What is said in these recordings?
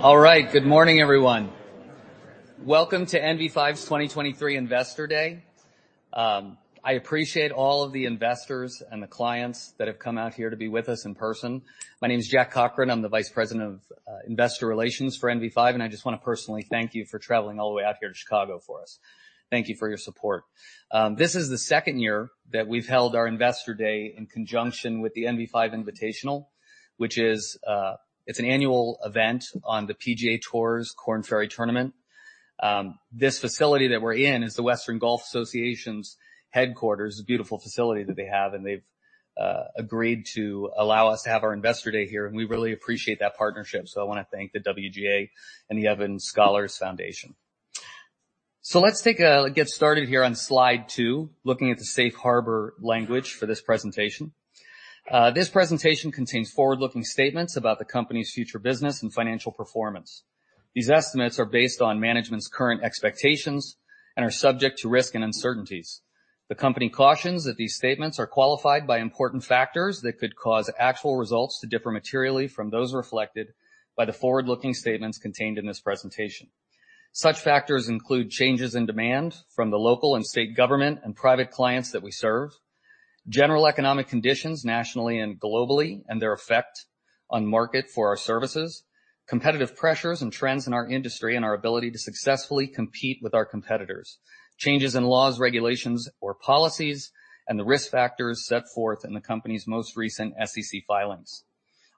All right. Good morning, everyone. Welcome to NV5's 2023 Investor Day. I appreciate all of the investors and the clients that have come out here to be with us in person. My name is Jack Cochran. I'm the vice president of investor relations for NV5. I just wanna personally thank you for traveling all the way out here to Chicago for us. Thank you for your support. This is the second year that we've held our Investor Day in conjunction with the NV5 Invitational, which is, it's an annual event on the PGA TOUR's Korn Ferry Tour. This facility that we're in is the Western Golf Association's headquarters, a beautiful facility that they have. They've agreed to allow us to have our Investor Day here. We really appreciate that partnership. I wanna thank the WGA and the Evans Scholars Foundation. Let's get started here on slide two, looking at the safe harbor language for this presentation. This presentation contains forward-looking statements about the company's future business and financial performance. These estimates are based on management's current expectations and are subject to risk and uncertainties. The company cautions that these statements are qualified by important factors that could cause actual results to differ materially from those reflected by the forward-looking statements contained in this presentation. Such factors include changes in demand from the local and state government and private clients that we serve, general economic conditions nationally and globally, and their effect on market for our services, competitive pressures and trends in our industry, and our ability to successfully compete with our competitors, changes in laws, regulations, or policies, and the risk factors set forth in the company's most recent SEC filings.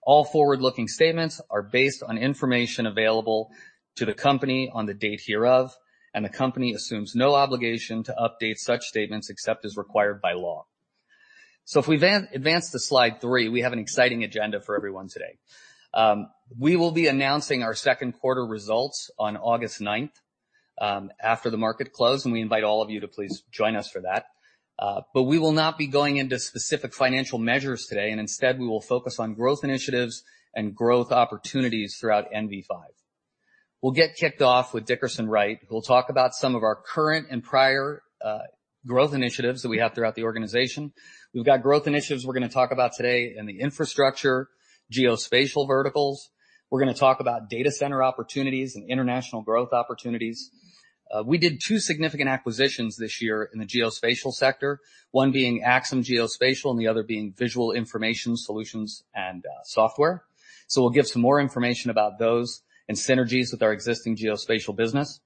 All forward-looking statements are based on information available to the company on the date hereof, and the company assumes no obligation to update such statements except as required by law. If we advance to slide three, we have an exciting agenda for everyone today. We will be announcing our second quarter results on August ninth after the market close, and we invite all of you to please join us for that. We will not be going into specific financial measures today. Instead, we will focus on growth initiatives and growth opportunities throughout NV5. We'll get kicked off with Dickerson Wright, who will talk about some of our current and prior growth initiatives that we have throughout the organization. We've got growth initiatives we're gonna talk about today in the infrastructure, geospatial verticals. We're gonna talk about data center opportunities and international growth opportunities. We did 2 significant acquisitions this year in the geospatial sector, one being Axim Geospatial, and the other being Visual Information Solutions and Software. We'll give some more information about those and synergies with our existing geospatial business.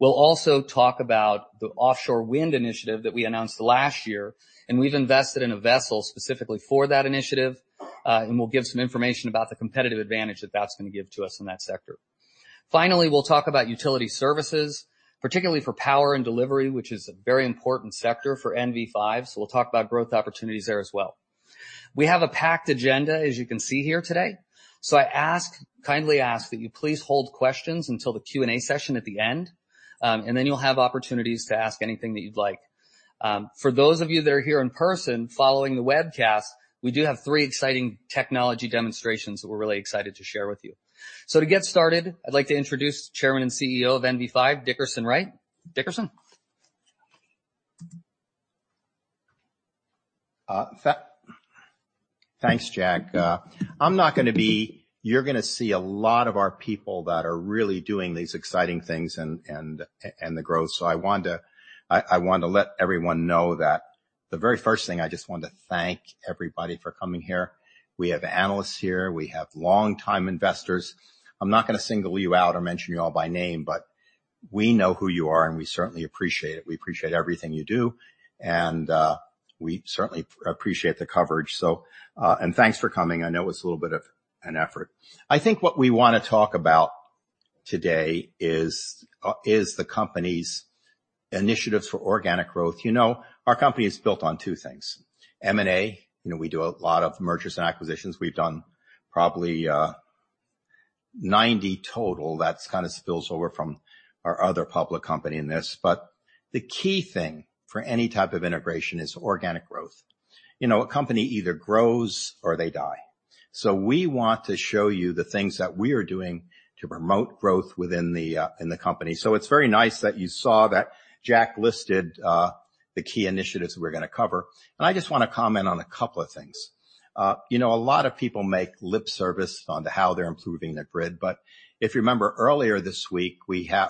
We'll also talk about the offshore wind initiative that we announced last year. We've invested in a vessel specifically for that initiative. We'll give some information about the competitive advantage that that's gonna give to us in that sector. Finally, we'll talk about utility services, particularly for power and delivery, which is a very important sector for NV5. We'll talk about growth opportunities there as well. We have a packed agenda, as you can see here today. I ask, kindly ask that you please hold questions until the Q&A session at the end, you'll have opportunities to ask anything that you'd like. For those of you that are here in person following the webcast, we do have three exciting technology demonstrations that we're really excited to share with you. To get started, I'd like to introduce Chairman and CEO of NV5, Dickerson Wright. Dickerson? Thanks, Jack. I'm not gonna be. You're gonna see a lot of our people that are really doing these exciting things and the growth. I want to let everyone know that the very first thing, I just want to thank everybody for coming here. We have analysts here. We have long-time investors. I'm not gonna single you out or mention you all by name, but we know who you are, and we certainly appreciate it. We appreciate everything you do, and we certainly appreciate the coverage. And thanks for coming. I know it's a little bit of an effort. I think what we wanna talk about today is the company's initiatives for organic growth. You know, our company is built on two things, M&A, you know, we do a lot of mergers and acquisitions. We've done probably 90 total. That's kind of spills over from our other public company in this. The key thing for any type of integration is organic growth. You know, a company either grows or they die. We want to show you the things that we are doing to promote growth within the company. It's very nice that you saw that Jack listed the key initiatives we're gonna cover. I just want to comment on a couple of things. You know, a lot of people make lip service on to how they're improving their grid, but if you remember earlier this week, we had...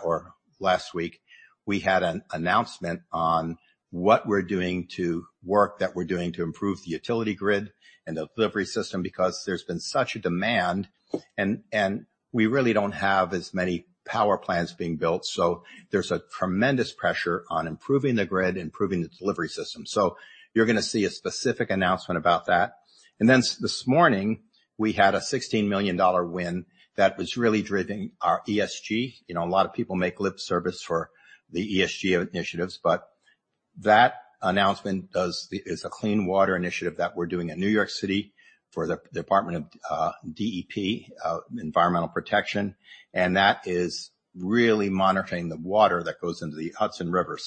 last week, we had an announcement on work that we're doing to improve the utility grid and the delivery system, because there's been such a demand, and we really don't have as many power plants being built. There's a tremendous pressure on improving the grid, improving the delivery system. You're gonna see a specific announcement about that. This morning, we had a $16 million win that was really driven our ESG. You know, a lot of people make lip service for the ESG initiatives, but that announcement does, is a clean water initiative that we're doing in New York City for the Department of DEP Environmental Protection, and that is really monitoring the water that goes into the Hudson River.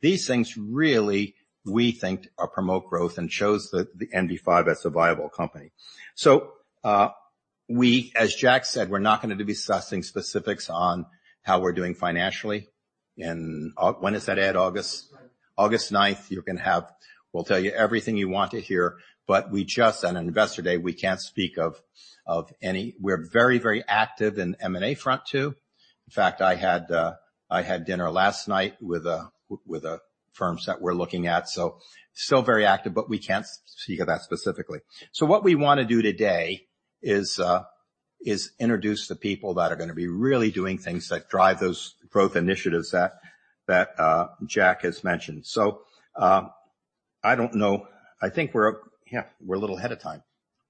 These things really, we think, promote growth and shows the NV5 as a viable company. We, as Jack said, we're not gonna be discussing specifics on how we're doing financially. When is that, Ed? August? August ninth, we'll tell you everything you want to hear, but we just, on Investor Day, we can't speak of any. We're very active in M&A front, too. In fact, I had dinner last night with firms that we're looking at. Still very active, but we can't speak of that specifically. What we wanna do today is introduce the people that are gonna be really doing things that drive those growth initiatives that Jack has mentioned. I don't know. I think we're, yeah, we're a little ahead of time,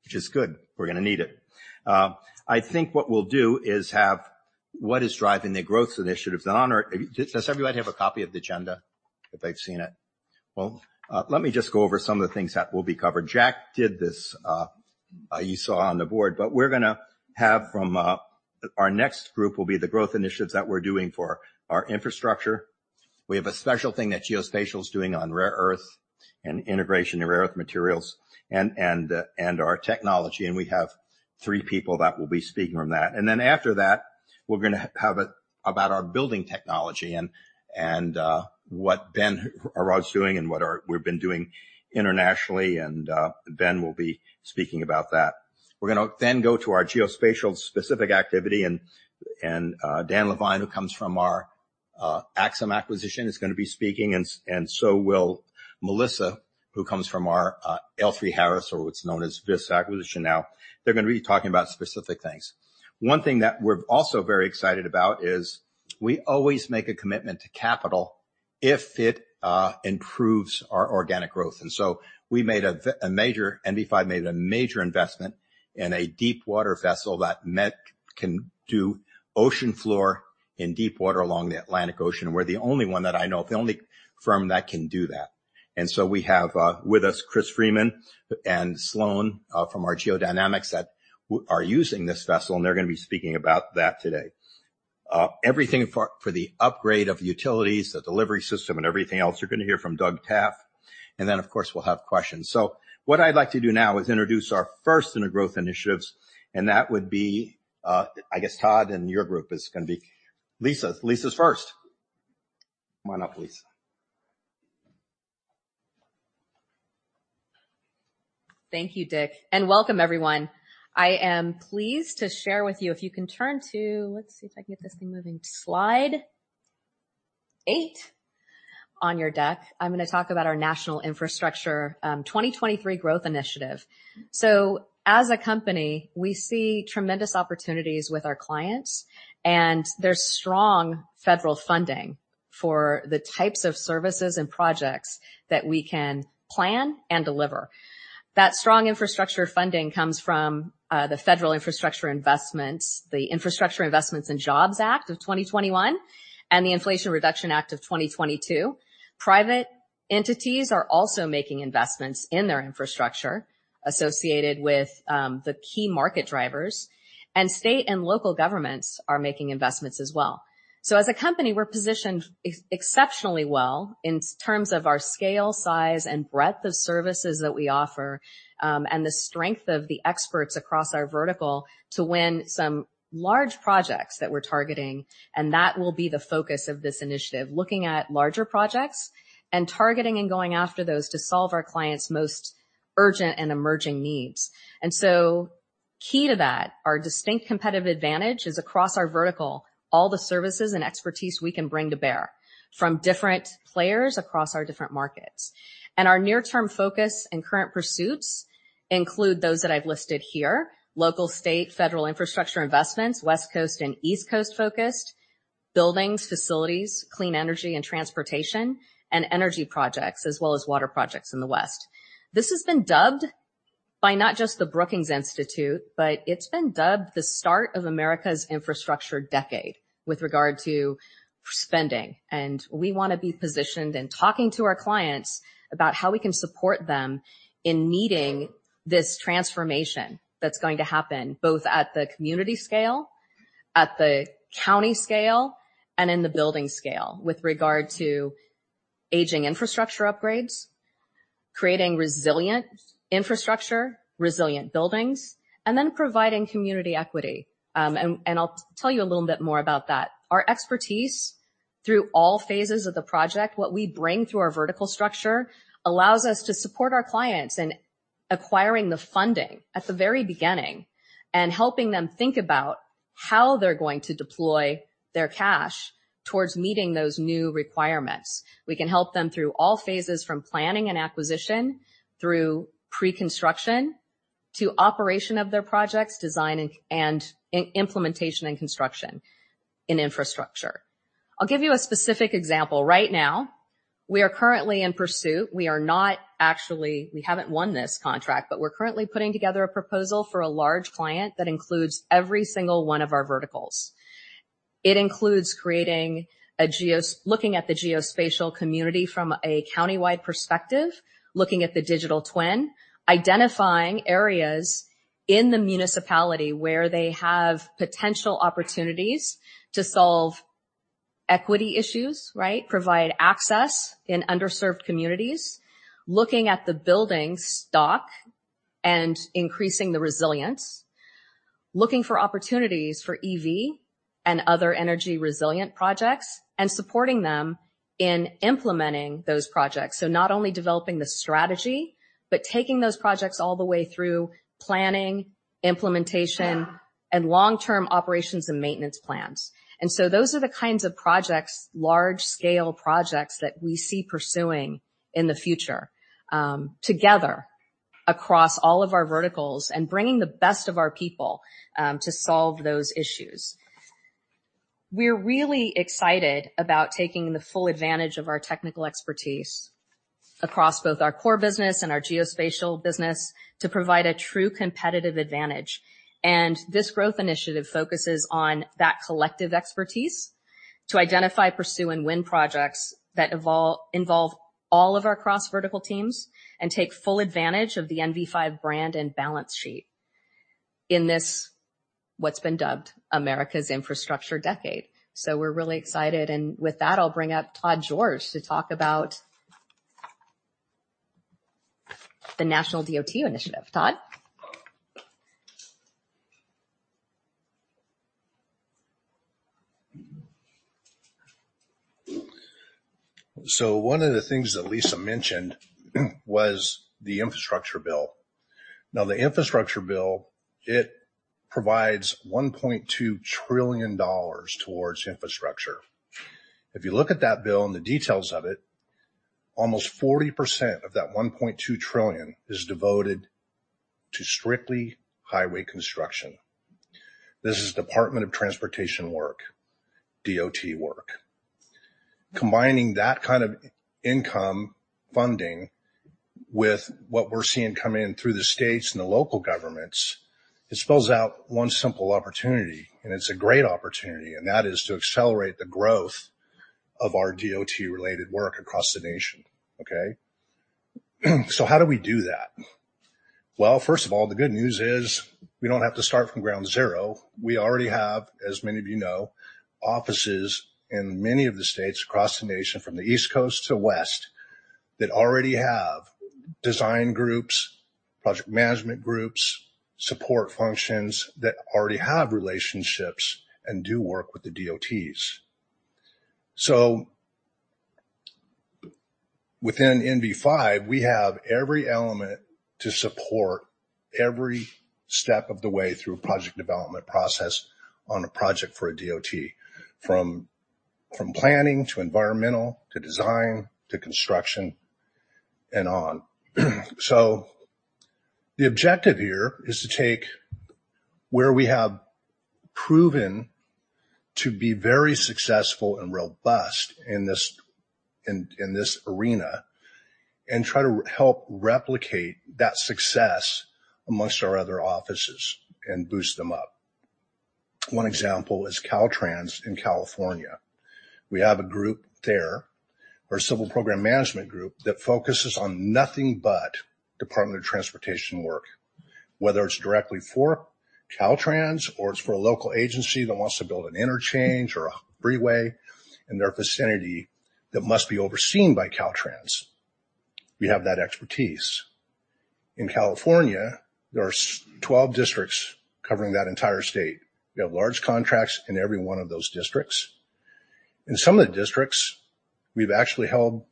which is good. We're gonna need it. I think what we'll do is have what is driving the growth initiatives. Does everybody have a copy of the agenda, if they've seen it? Well, let me just go over some of the things that will be covered. Jack did this, you saw on the board, but we're gonna have from, our next group will be the growth initiatives that we're doing for our infrastructure. We have a special thing that Geospatial is doing on rare earth and integration of rare earth materials and our technology, and we have three people that will be speaking on that. After that, we're gonna have, about our Buildings & Technology and what Ben Herremans doing and what we've been doing internationally, and Ben will be speaking about that. We're gonna then go to our Geospatial specific activity and Dan Levine, who comes from our Axim acquisition, is gonna be speaking, and so will Melissa, who comes from our L3Harris, or what's known as this acquisition now. They're gonna be talking about specific things. One thing that we're also very excited about is we always make a commitment to capital if it improves our organic growth. We made a major, NV5 made a major investment in a deep water vessel that can do ocean floor in deep water along the Atlantic Ocean. We're the only one that I know of, the only firm that can do that. We have with us, Sloan Freeman and Sloan from our Geodynamics that are using this vessel, and they're gonna be speaking about that today. Everything for the upgrade of utilities, the delivery system, and everything else, you're gonna hear from Doug Taft. Of course, we'll have questions. What I'd like to do now is introduce our first in the growth initiatives, and that would be, I guess, Todd, and your group is gonna be... Lisa. Lisa's first. Come on up, Lisa. Thank you,. Welcome everyone. I am pleased to share with you. Let's see if I can get this thing moving, slide 8 on your deck. I'm gonna talk about our national infrastructure, 2023 growth initiative. As a company, we see tremendous opportunities with our clients, and there's strong federal funding for the types of services and projects that we can plan and deliver. That strong infrastructure funding comes from the federal infrastructure investments, the Infrastructure Investment and Jobs Act of 2021, and the Inflation Reduction Act of 2022. Private entities are also making investments in their infrastructure associated with the key market drivers, and state and local governments are making investments as well. As a company, we're positioned exceptionally well in terms of our scale, size, and breadth of services that we offer, and the strength of the experts across our vertical to win some large projects that we're targeting, and that will be the focus of this initiative. Looking at larger projects and targeting and going after those to solve our clients' most urgent and emerging needs. Key to that, our distinct competitive advantage is across our vertical, all the services and expertise we can bring to bear from different players across our different markets. Our near-term focus and current pursuits include those that I've listed here, local, state, federal infrastructure investments, West Coast and East Coast-focused, buildings, facilities, clean energy and transportation, and energy projects, as well as water projects in the West. This has been dubbed by not just the Brookings Institution, but it's been dubbed the start of America's infrastructure decade with regard to spending. We wanna be positioned and talking to our clients about how we can support them in meeting this transformation that's going to happen, both at the community scale, at the county scale, and in the building scale, with regard to aging infrastructure upgrades, creating resilient infrastructure, resilient buildings, and then providing community equity. I'll tell you a little bit more about that. Our expertise through all phases of the project, what we bring through our vertical structure, allows us to support our clients in acquiring the funding at the very beginning and helping them think about how they're going to deploy their cash towards meeting those new requirements. We can help them through all phases, from planning and acquisition, through preconstruction, to operation of their projects, design and implementation and construction in infrastructure. I'll give you a specific example. Right now, we are currently in pursuit, we haven't won this contract, but we're currently putting together a proposal for a large client that includes every single one of our verticals. It includes looking at the geospatial community from a countywide perspective, looking at the digital twin, identifying areas in the municipality where they have potential opportunities to solve equity issues, right? Provide access in underserved communities, looking at the building stock and increasing the resilience, looking for opportunities for EV and other energy-resilient projects, and supporting them in implementing those projects. Not only developing the strategy, but taking those projects all the way through planning, implementation, and long-term operations and maintenance plans. Those are the kinds of projects, large-scale projects, that we see pursuing in the future, together across all of our verticals and bringing the best of our people to solve those issues. We're really excited about taking the full advantage of our technical expertise across both our core business and our geospatial business to provide a true competitive advantage. This growth initiative focuses on that collective expertise to identify, pursue, and win projects that involve all of our cross-vertical teams and take full advantage of the NV5 brand and balance sheet in this, what's been dubbed, America's infrastructure decade. We're really excited, and with that, I'll bring up Todd George to talk about... the National DOT initiative. Todd? One of the things that Lisa mentioned was the infrastructure bill. The infrastructure bill, it provides $1.2 trillion towards infrastructure. If you look at that bill and the details of it, almost 40% of that $1.2 trillion is devoted to strictly highway construction. This is Department of Transportation work, DOT work. Combining that kind of income funding with what we're seeing coming in through the state and local governments, it spells out one simple opportunity, and it's a great opportunity, and that is to accelerate the growth of our DOT-related work across the nation. Okay? How do we do that? First of all, the good news is, we don't have to start from ground zero. We already have, as many of you know, offices in many of the states across the nation, from the East Coast to West, that already have design groups, project management groups, support functions that already have relationships and do work with the DOTs. Within NV5, we have every element to support every step of the way through a project development process on a project for a DOT, from planning to environmental, to design, to construction, and on. The objective here is to take where we have proven to be very successful and robust in this arena and try to help replicate that success amongst our other offices and boost them up. One example is Caltrans in California. We have a group there, our civil program management group, that focuses on nothing but Department of Transportation work, whether it's directly for Caltrans or it's for a local agency that wants to build an interchange or a freeway in their vicinity that must be overseen by Caltrans. We have that expertise. In California, there are 12 districts covering that entire state. We have large contracts in every one of those districts. In some of the districts, we've actually held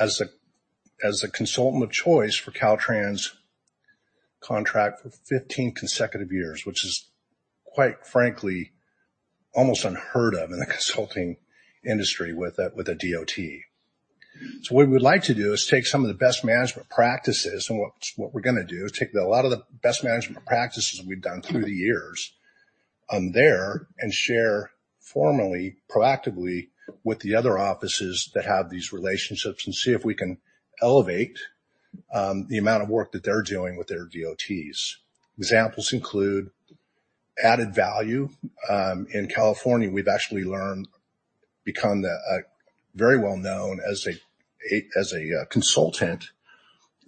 as the consultant of choice for Caltrans contract for 15 consecutive years, which is, quite frankly, almost unheard of in the consulting industry with a DOT. What we would like to do is take some of the best management practices, what we're gonna do is take a lot of the best management practices we've done through the years, and share formally, proactively with the other offices that have these relationships and see if we can elevate the amount of work that they're doing with their DOTs. Examples include added value. In California, we've actually become very well known as a consultant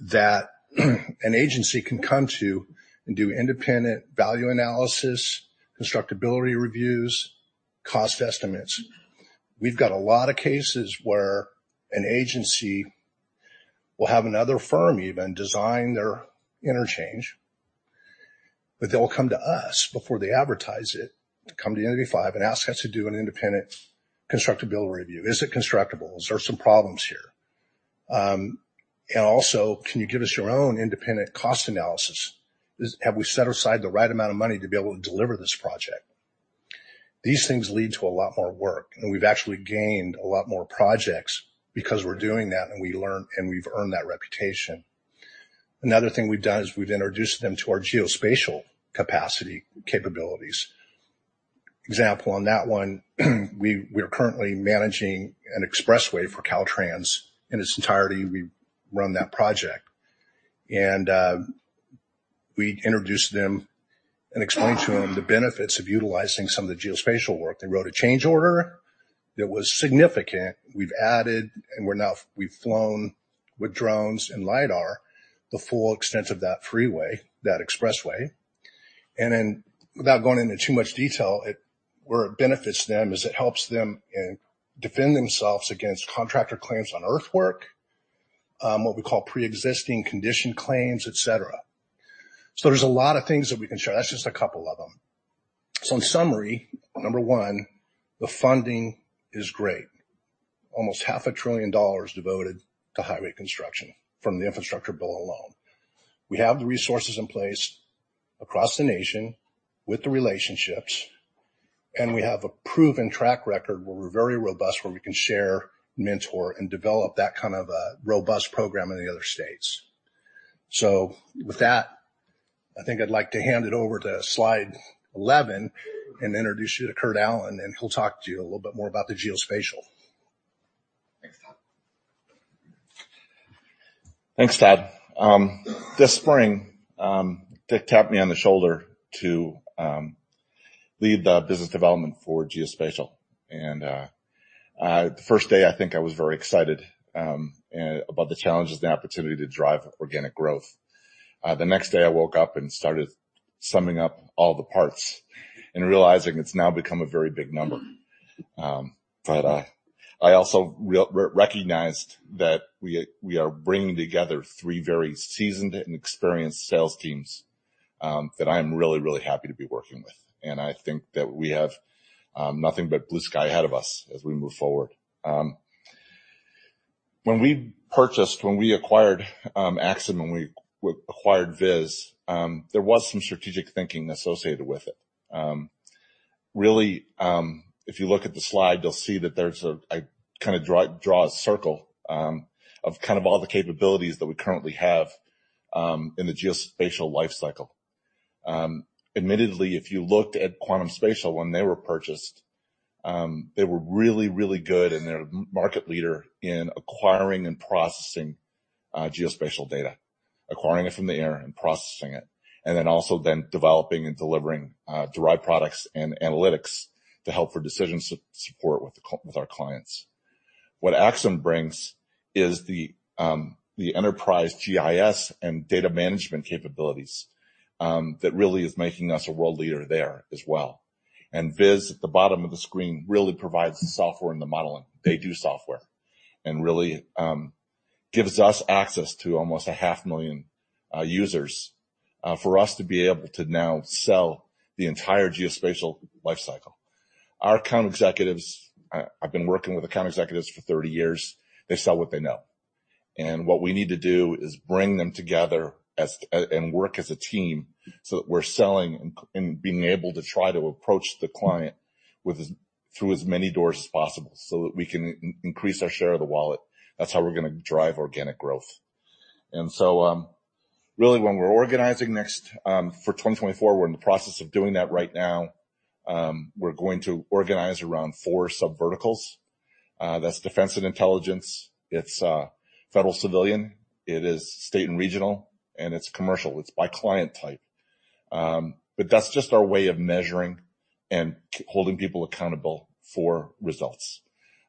that an agency can come to and do independent value analysis, constructability reviews, cost estimates. We've got a lot of cases where an agency will have another firm even design their interchange, but they will come to us before they advertise it, to come to NV5 and ask us to do an independent constructability review. Is it constructable? Is there some problems here? Also, can you give us your own independent cost analysis? Have we set aside the right amount of money to be able to deliver this project? These things lead to a lot more work, and we've actually gained a lot more projects because we're doing that, and we learn, and we've earned that reputation. Another thing we've done is we've introduced them to our geospatial capacity capabilities. Example on that one, we're currently managing an expressway for Caltrans. In its entirety, we run that project. We introduced them and explained to them the benefits of utilizing some of the geospatial work. They wrote a change order that was significant. We've added, we've flown with drones and LiDAR, the full extent of that freeway, that expressway. Without going into too much detail. where it benefits them is it helps them in defend themselves against contractor claims on earthwork, what we call preexisting condition claims, et cetera. There's a lot of things that we can share. That's just a couple of them. In summary, number one, the funding is great. Almost half a trillion dollars devoted to highway construction from the infrastructure bill alone. We have the resources in place across the nation with the relationships, and we have a proven track record where we're very robust, where we can share, mentor, and develop that kind of a robust program in the other states. With that, I think I'd like to hand it over to slide 11 and introduce you to Kurt Allen, and he'll talk to you a little bit more about the Geospatial. Thanks, Todd. This spring, tapped me on the shoulder to lead the business development for geospatial. The first day, I think I was very excited about the challenges and the opportunity to drive organic growth. The next day, I woke up and started summing up all the parts and realizing it's now become a very big number. I also recognized that we are bringing together three very seasoned and experienced sales teams that I am really, really happy to be working with. I think that we have nothing but blue sky ahead of us as we move forward. When we acquired Axim, when we acquired VIS, there was some strategic thinking associated with it. Really, if you look at the slide, you'll see that there's I kind of draw a circle of kind of all the capabilities that we currently have in the geospatial life cycle. Admittedly, if you looked at Quantum Spatial when they were purchased, they were really, really good, and they're a market leader in acquiring and processing geospatial data, acquiring it from the air and processing it, and then also then developing and delivering derived products and analytics to help for decision support with our clients. What Axim brings is the enterprise GIS and data management capabilities that really is making us a world leader there as well. VIS, at the bottom of the screen, really provides the software and the modeling. They do Software and really gives us access to almost a half million users for us to be able to now sell the entire geospatial life cycle. Our account executives, I've been working with account executives for 30 years. They sell what they know. What we need to do is bring them together as and work as a team so that we're selling and being able to try to approach the client with as through as many doors as possible, so that we can increase our share of the wallet. That's how we're gonna drive organic growth. Really, when we're organizing next for 2024, we're in the process of doing that right now. We're going to organize around four subverticals. That's defense and intelligence, it's federal civilian, it is state and regional, and it's commercial. It's by client type. But that's just our way of measuring and holding people accountable for results.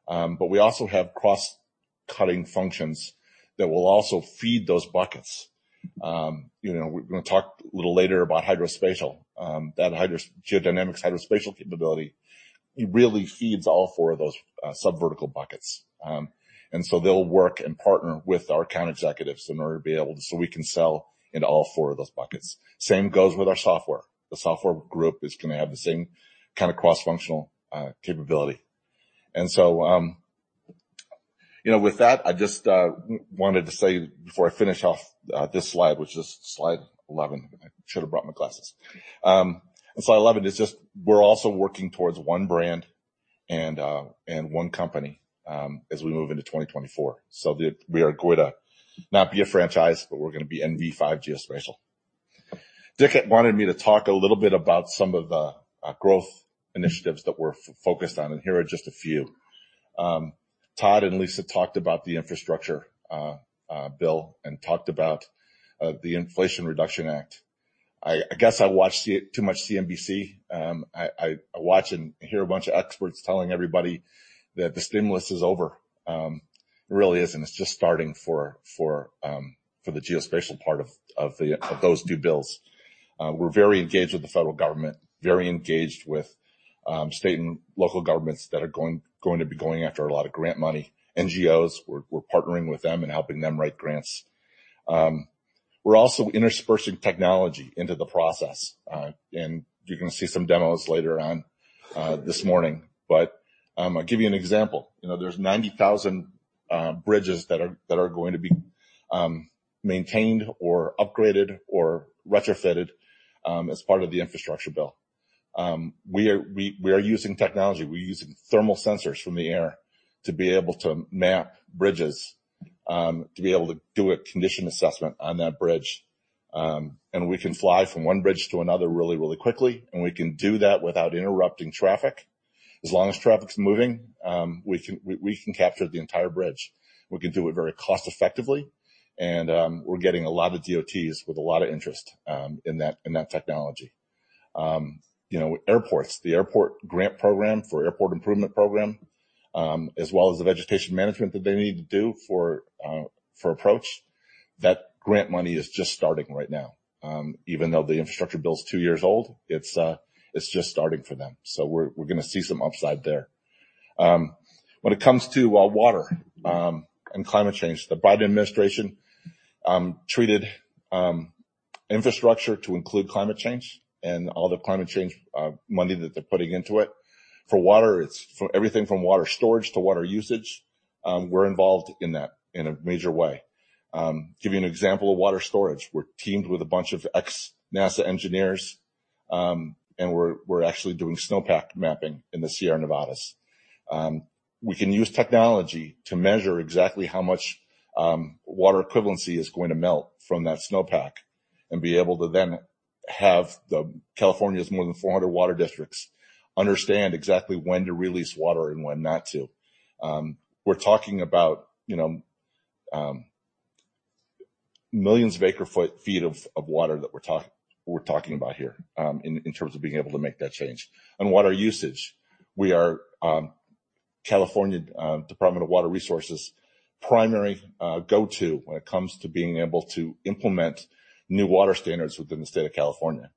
But we also have cross-cutting functions that will also feed those buckets. You know, we're gonna talk a little later about hydrospatial. That Geodynamics, hydrospatial capability, it really feeds all 4 of those subvertical buckets. They'll work and partner with our account executives in order to be able to, so we can sell in all 4 of those buckets. Same goes with our software. The software group is gonna have the same kind of cross-functional capability. You know, with that, I just wanted to say before I finish off this slide, which is slide 11, I should have brought my glasses. In slide eleven is just we're also working towards one brand and one company as we move into 2024. We are going to not be a franchise, but we're going to be NV5 Geospatial. Dickerson had wanted me to talk a little bit about some of the growth initiatives that we're focused on, and here are just a few. Todd and Lisa talked about the infrastructure bill and talked about the Inflation Reduction Act. I guess I watched it, too much CNBC. I watch and hear a bunch of experts telling everybody that the stimulus is over. It really isn't. It's just starting for the geospatial part of those two bills. We're very engaged with the federal government, very engaged with state and local governments that are going to be going after a lot of grant money. NGOs, we're partnering with them and helping them write grants. We're also interspersing technology into the process, and you're gonna see some demos later on this morning. I'll give you an example. You know, there's 90,000 bridges that are going to be maintained or upgraded or retrofitted as part of the infrastructure bill. We are using technology. We're using thermal sensors from the air to be able to map bridges, to be able to do a condition assessment on that bridge. We can fly from one bridge to another really quickly, and we can do that without interrupting traffic. As long as traffic's moving, we can capture the entire bridge. We can do it very cost-effectively, we're getting a lot of DOTs with a lot of interest in that technology. You know, airports, the Airport Improvement Program, as well as the vegetation management that they need to do for approach. That grant money is just starting right now. Even though the infrastructure bill is 2 years old, it's just starting for them. We're gonna see some upside there. When it comes to water and climate change, the Biden administration treated infrastructure to include climate change and all the climate change money that they're putting into it. For water, it's for everything from water storage to water usage, we're involved in that in a major way. Give you an example of water storage. We're teamed with a bunch of ex-NASA engineers, and we're actually doing snowpack mapping in the Sierra Nevada. We can use technology to measure exactly how much water equivalency is going to melt from that snowpack and be able to then have California's more than 400 water districts, understand exactly when to release water and when not to. We're talking about, you know, millions of acre-feet of water that we're talking about here, in terms of being able to make that change. On water usage, we are California Department of Water Resources' primary go-to when it comes to being able to implement new water standards within the state of California.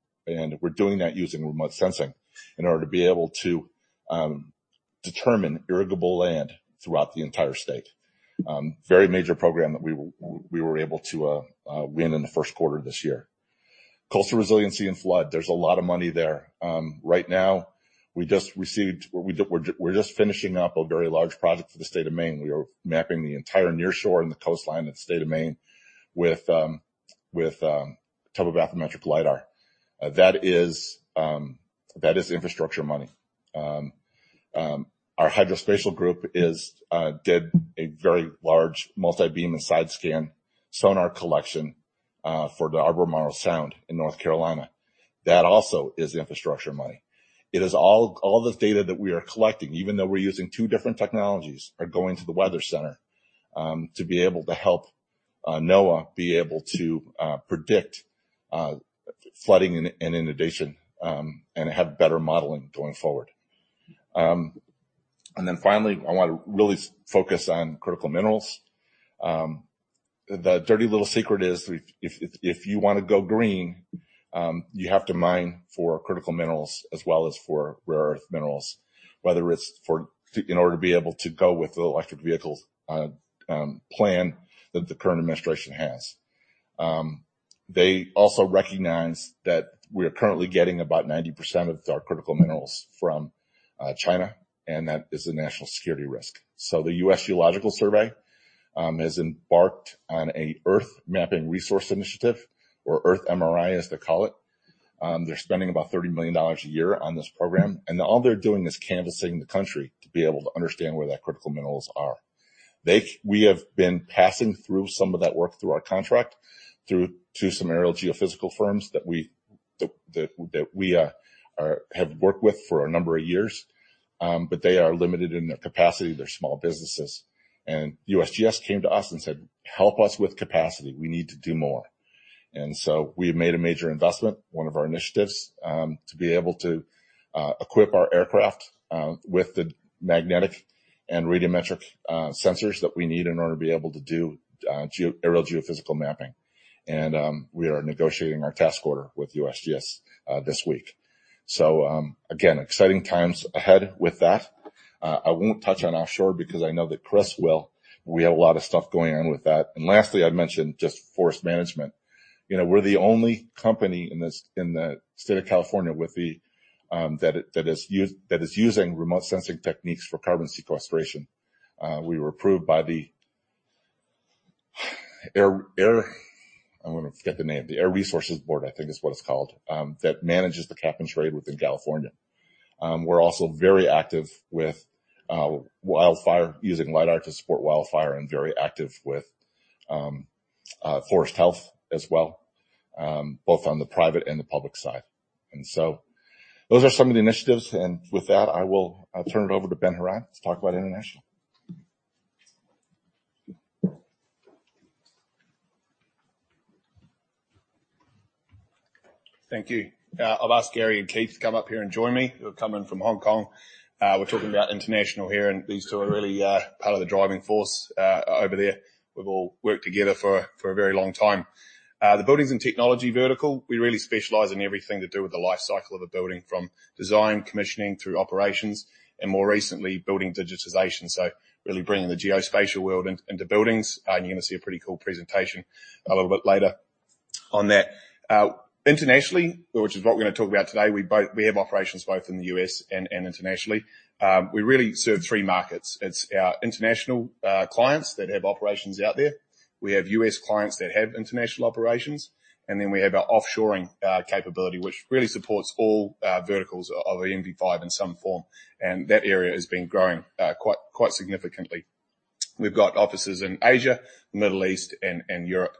We're doing that using remote sensing in order to be able to determine irrigable land throughout the entire state. Very major program that we were able to win in the first quarter of this year. Coastal resiliency and flood, there's a lot of money there. Right now, we just received. We're just finishing up a very large project for the state of Maine. We are mapping the entire nearshore and the coastline of the state of Maine with topobathymetric LiDAR. That is infrastructure money. Our hydrospatial group did a very large multibeam and side-scan sonar collection for the Albemarle Sound in North Carolina. That also is infrastructure money. It is all this data that we are collecting, even though we're using two different technologies, are going to the weather center to be able to help NOAA be able to predict flooding and inundation and have better modeling going forward. Finally, I want to really focus on critical minerals. The dirty little secret is, if you want to go green, you have to mine for critical minerals as well as for rare earth minerals, in order to be able to go with the electric vehicles plan that the current administration has. They also recognize that we are currently getting about 90% of our critical minerals from China. That is a national security risk. The U.S. Geological Survey has embarked on a Earth Mapping Resources Initiative, or Earth MRI, as they call it. They're spending about $30 million a year on this program. All they're doing is canvassing the country to be able to understand where that critical minerals are. We have been passing through some of that work through our contract, through to some aerial geophysical firms that we have worked with for a number of years. They are limited in their capacity. They're small businesses. USGS came to us and said: "Help us with capacity. We need to do more." We have made a major investment, one of our initiatives, to be able to equip our aircraft with the magnetic and radiometric sensors that we need in order to be able to do aerial geophysical mapping. We are negotiating our task order with USGS this week. Again, exciting times ahead with that. I won't touch on offshore because I know that Chris will. We have a lot of stuff going on with that. Lastly, I'd mention just forest management. You know, we're the only company in the state of California with the. That is, that is using remote sensing techniques for carbon sequestration. We were approved by the. I want to forget the name, the Air Resources Board, I think is what it's called, that manages the cap-and-trade within California. We're also very active with wildfire, using lidar to support wildfire, and very active with forest health as well, both on the private and the public side. Those are some of the initiatives, and with that, I will turn it over to Ben Herremans to talk about international. Thank you. I'll ask Gary and Keith to come up here and join me, who have come in from Hong Kong. We're talking about international here, these two are really part of the driving force over there. We've all worked together for a very long time. The buildings and technology vertical, we really specialize in everything to do with the life cycle of a building, from design, commissioning, through operations, and more recently, building digitization. Really bringing the geospatial world into buildings, you're going to see a pretty cool presentation a little bit later on that. Internationally, which is what we're gonna talk about today, we have operations both in the U.S. and internationally. We really serve three markets. It's our international clients that have operations out there. We have U.S. clients that have international operations, we have our offshoring capability, which really supports all verticals of NV5 in some form, and that area has been growing quite significantly. We've got offices in Asia, Middle East, and Europe.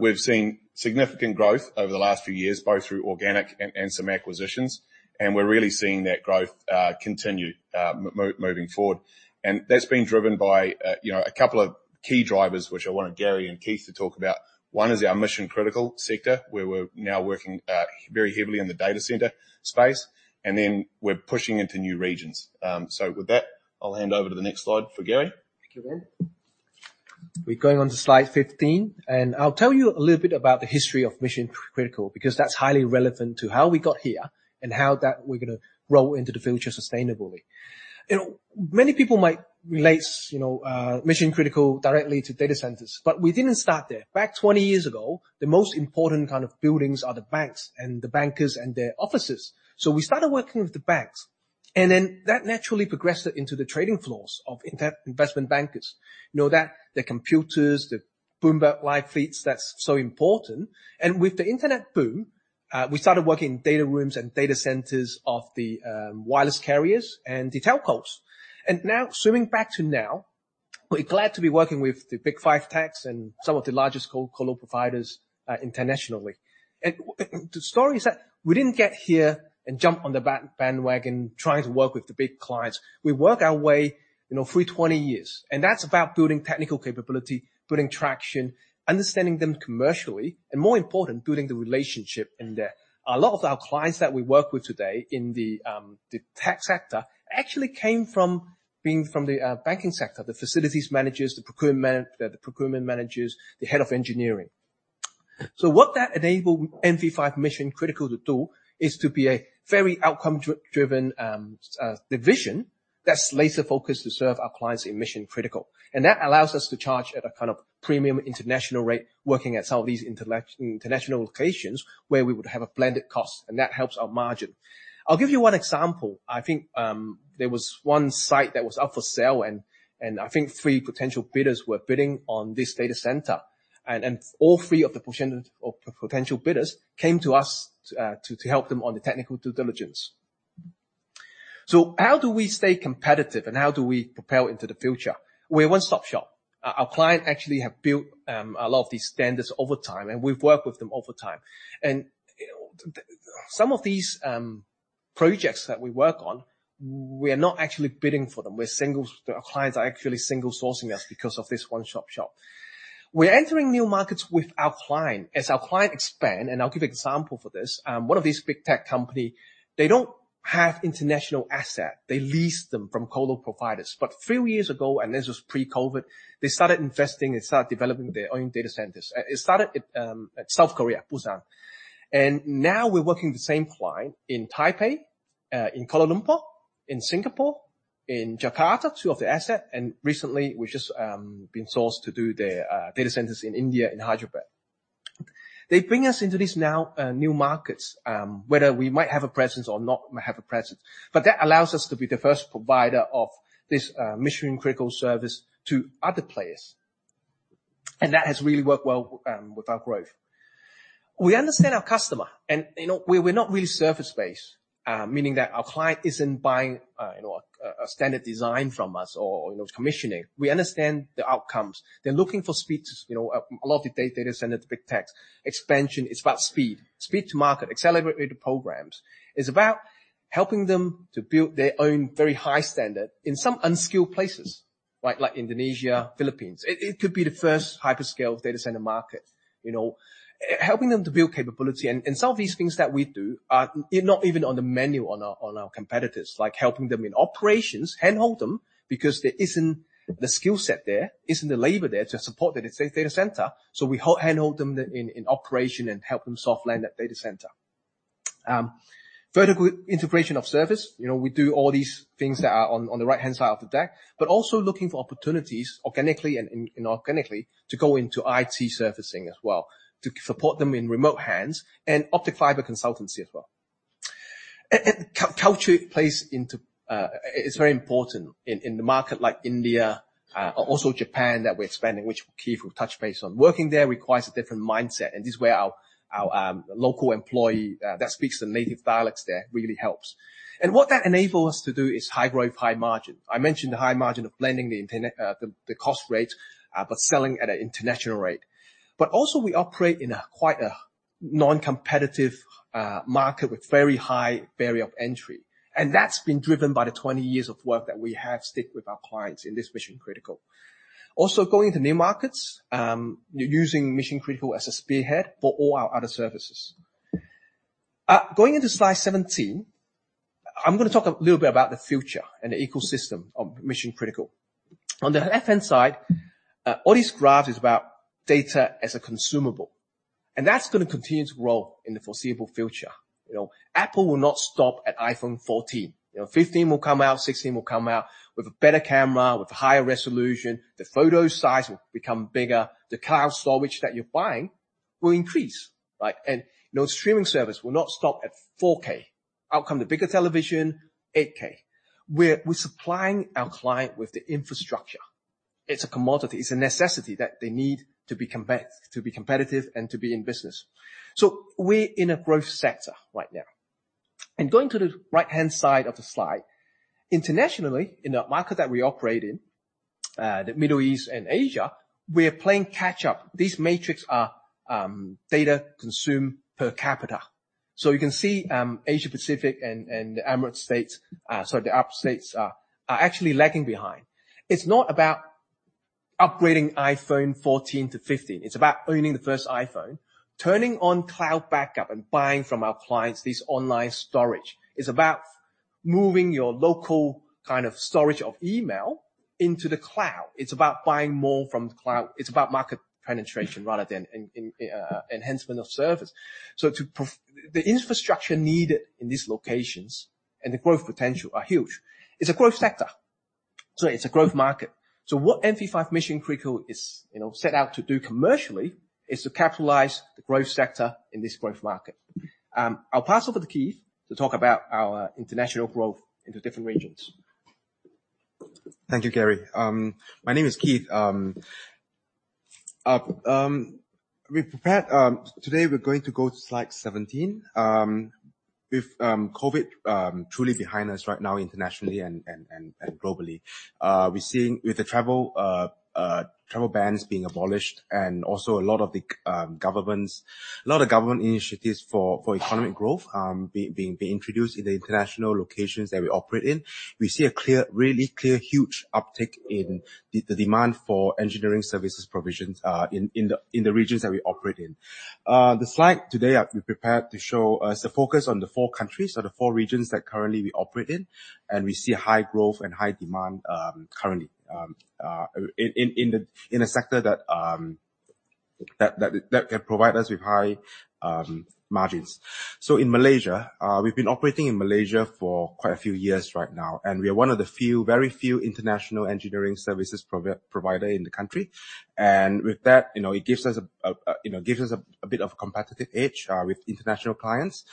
We've seen significant growth over the last few years, both through organic and some acquisitions, we're really seeing that growth continue moving forward. That's been driven by, you know, a couple of key drivers, which I wanted Gary and Keith to talk about. One is our mission-critical sector, where we're now working very heavily in the data center space, we're pushing into new regions. With that, I'll hand over to the next slide for Gary. Thank you, Ben. We're going on to slide 15. I'll tell you a little bit about the history of mission critical, because that's highly relevant to how we got here and how that we're gonna roll into the future sustainably. You know, many people might relate, you know, mission critical directly to data centers, but we didn't start there. Back 20 years ago, the most important kind of buildings are the banks and the bankers and their offices. We started working with the banks, and then that naturally progressed into the trading floors of investment bankers. You know that, the computers, the Bloomberg Live feeds, that's so important. With the internet boom, we started working in data rooms and data centers of the wireless carriers and the telcos. Now, swimming back to now, we're glad to be working with the Big Five tech and some of the largest colocation providers, internationally. The story is that we didn't get here and jump on the bandwagon, trying to work with the big clients. We work our way, you know, through 20 years, and that's about building technical capability, building traction, understanding them commercially, and more important, building the relationship in there. A lot of our clients that we work with today in the tech sector, actually came from being from the banking sector, the facilities managers, the procurement managers, the head of engineering. What that enabled NV5 Mission Critical to do is to be a very outcome driven division that's laser focused to serve our clients in mission critical. That allows us to charge at a kind of premium international rate, working at some of these international locations where we would have a blended cost, and that helps our margin. I'll give you one example. I think, there was one site that was up for sale, and I think three potential bidders were bidding on this data center. All three of the potential bidders came to us to help them on the technical due diligence. How do we stay competitive, and how do we propel into the future? We're a one-stop shop. Our client actually have built a lot of these standards over time, and we've worked with them over time. Some of these projects that we work on, we are not actually bidding for them. Our clients are actually single-sourcing us because of this one-shop shop. We're entering new markets with our client. As our client expand, and I'll give you an example for this. One of these big tech company, they don't have international asset. They lease them from colocation providers. Three years ago, and this was pre-COVID, they started investing and started developing their own data centers. It started at South Korea, Busan. Now we're working with the same client in Taipei, in Kuala Lumpur, in Singapore, in Jakarta, two of the asset, and recently we've just been sourced to do their data centers in India, in Hyderabad. They bring us into these now, new markets, whether we might have a presence or not have a presence. That allows us to be the first provider of this mission-critical service to other players, and that has really worked well with our growth. We understand our customer, you know, we're not really service-based, meaning that our client isn't buying a standard design from us or, you know, commissioning. We understand the outcomes. They're looking for speeds. You know, a lot of the data centers, big tax. Expansion, it's about speed, speed to market, accelerated programs. It's about helping them to build their own very high standard in some unskilled places, like Indonesia, Philippines. It could be the first hyperscale data center market. You know, helping them to build capability. Some of these things that we do are not even on the menu on our competitors, like helping them in operations, handhold them, because there isn't the skill set there, isn't the labor there to support the data center. We handhold them in operation and help them soft land that data center. Vertical integration of service. You know, we do all these things that are on the right-hand side of the deck, but also looking for opportunities, organically and inorganically, to go into IT servicing as well, to support them in remote hands and optic fiber consultancy as well. Culture plays into. It's very important in the market like India, also Japan, that we're expanding, which Keith will touch base on. Working there requires a different mindset, and this is where our local employee that speaks the native dialects there really helps. What that enables us to do is high growth, high margin. I mentioned the high margin of blending the internet, the cost rate, but selling at an international rate. Also, we operate in a quite a non-competitive market with very high barrier of entry, and that's been driven by the 20 years of work that we have stick with our clients in this mission critical. Also, going into new markets, using mission critical as a spearhead for all our other services. Going into slide 17, I'm gonna talk a little bit about the future and the ecosystem of mission critical. On the left-hand side, all these graphs is about data as a consumable, and that's gonna continue to grow in the foreseeable future. You know, Apple will not stop at iPhone 14. You know, 15 will come out, 16 will come out, with a better camera, with higher resolution. The photo size will become bigger. The cloud storage that you're buying will increase, right? You know, streaming service will not stop at 4K. Out come the bigger television, 8K. We're supplying our client with the infrastructure. It's a commodity. It's a necessity that they need to be competitive and to be in business. We're in a growth sector right now. Going to the right-hand side of the slide, internationally, in the market that we operate in, the Middle East and Asia, we're playing catch-up. These metrics are data consumed per capita. You can see Asia Pacific and the Arab states are actually lagging behind. It's not about upgrading iPhone 14 to 15. It's about owning the first iPhone, turning on cloud backup, and buying from our clients this online storage.... moving your local kind of storage of email into the cloud. It's about buying more from the cloud. It's about market penetration rather than an enhancement of service. The infrastructure needed in these locations and the growth potential are huge. It's a growth sector, it's a growth market. What NV5 Mission Critical is, you know, set out to do commercially, is to capitalize the growth sector in this growth market. I'll pass over to Keith to talk about our international growth into different regions. Thank you, Gary. My name is Keith. We've prepared. Today we're going to go to slide 17. With COVID truly behind us right now, internationally and globally, we're seeing with the travel bans being abolished and also a lot of the government initiatives for economic growth being introduced in the international locations that we operate in. We see a clear, really clear, huge uptick in the demand for engineering services provisions in the regions that we operate in. The slide today, I've prepared to show us a focus on the 4 countries or the 4 regions that currently we operate in, and we see a high growth and high demand, currently, in a sector that can provide us with high margins. In Malaysia, we've been operating in Malaysia for quite a few years right now, and we are one of the few, very few international engineering services provider in the country. With that, you know, it gives us a bit of a competitive edge with international clients.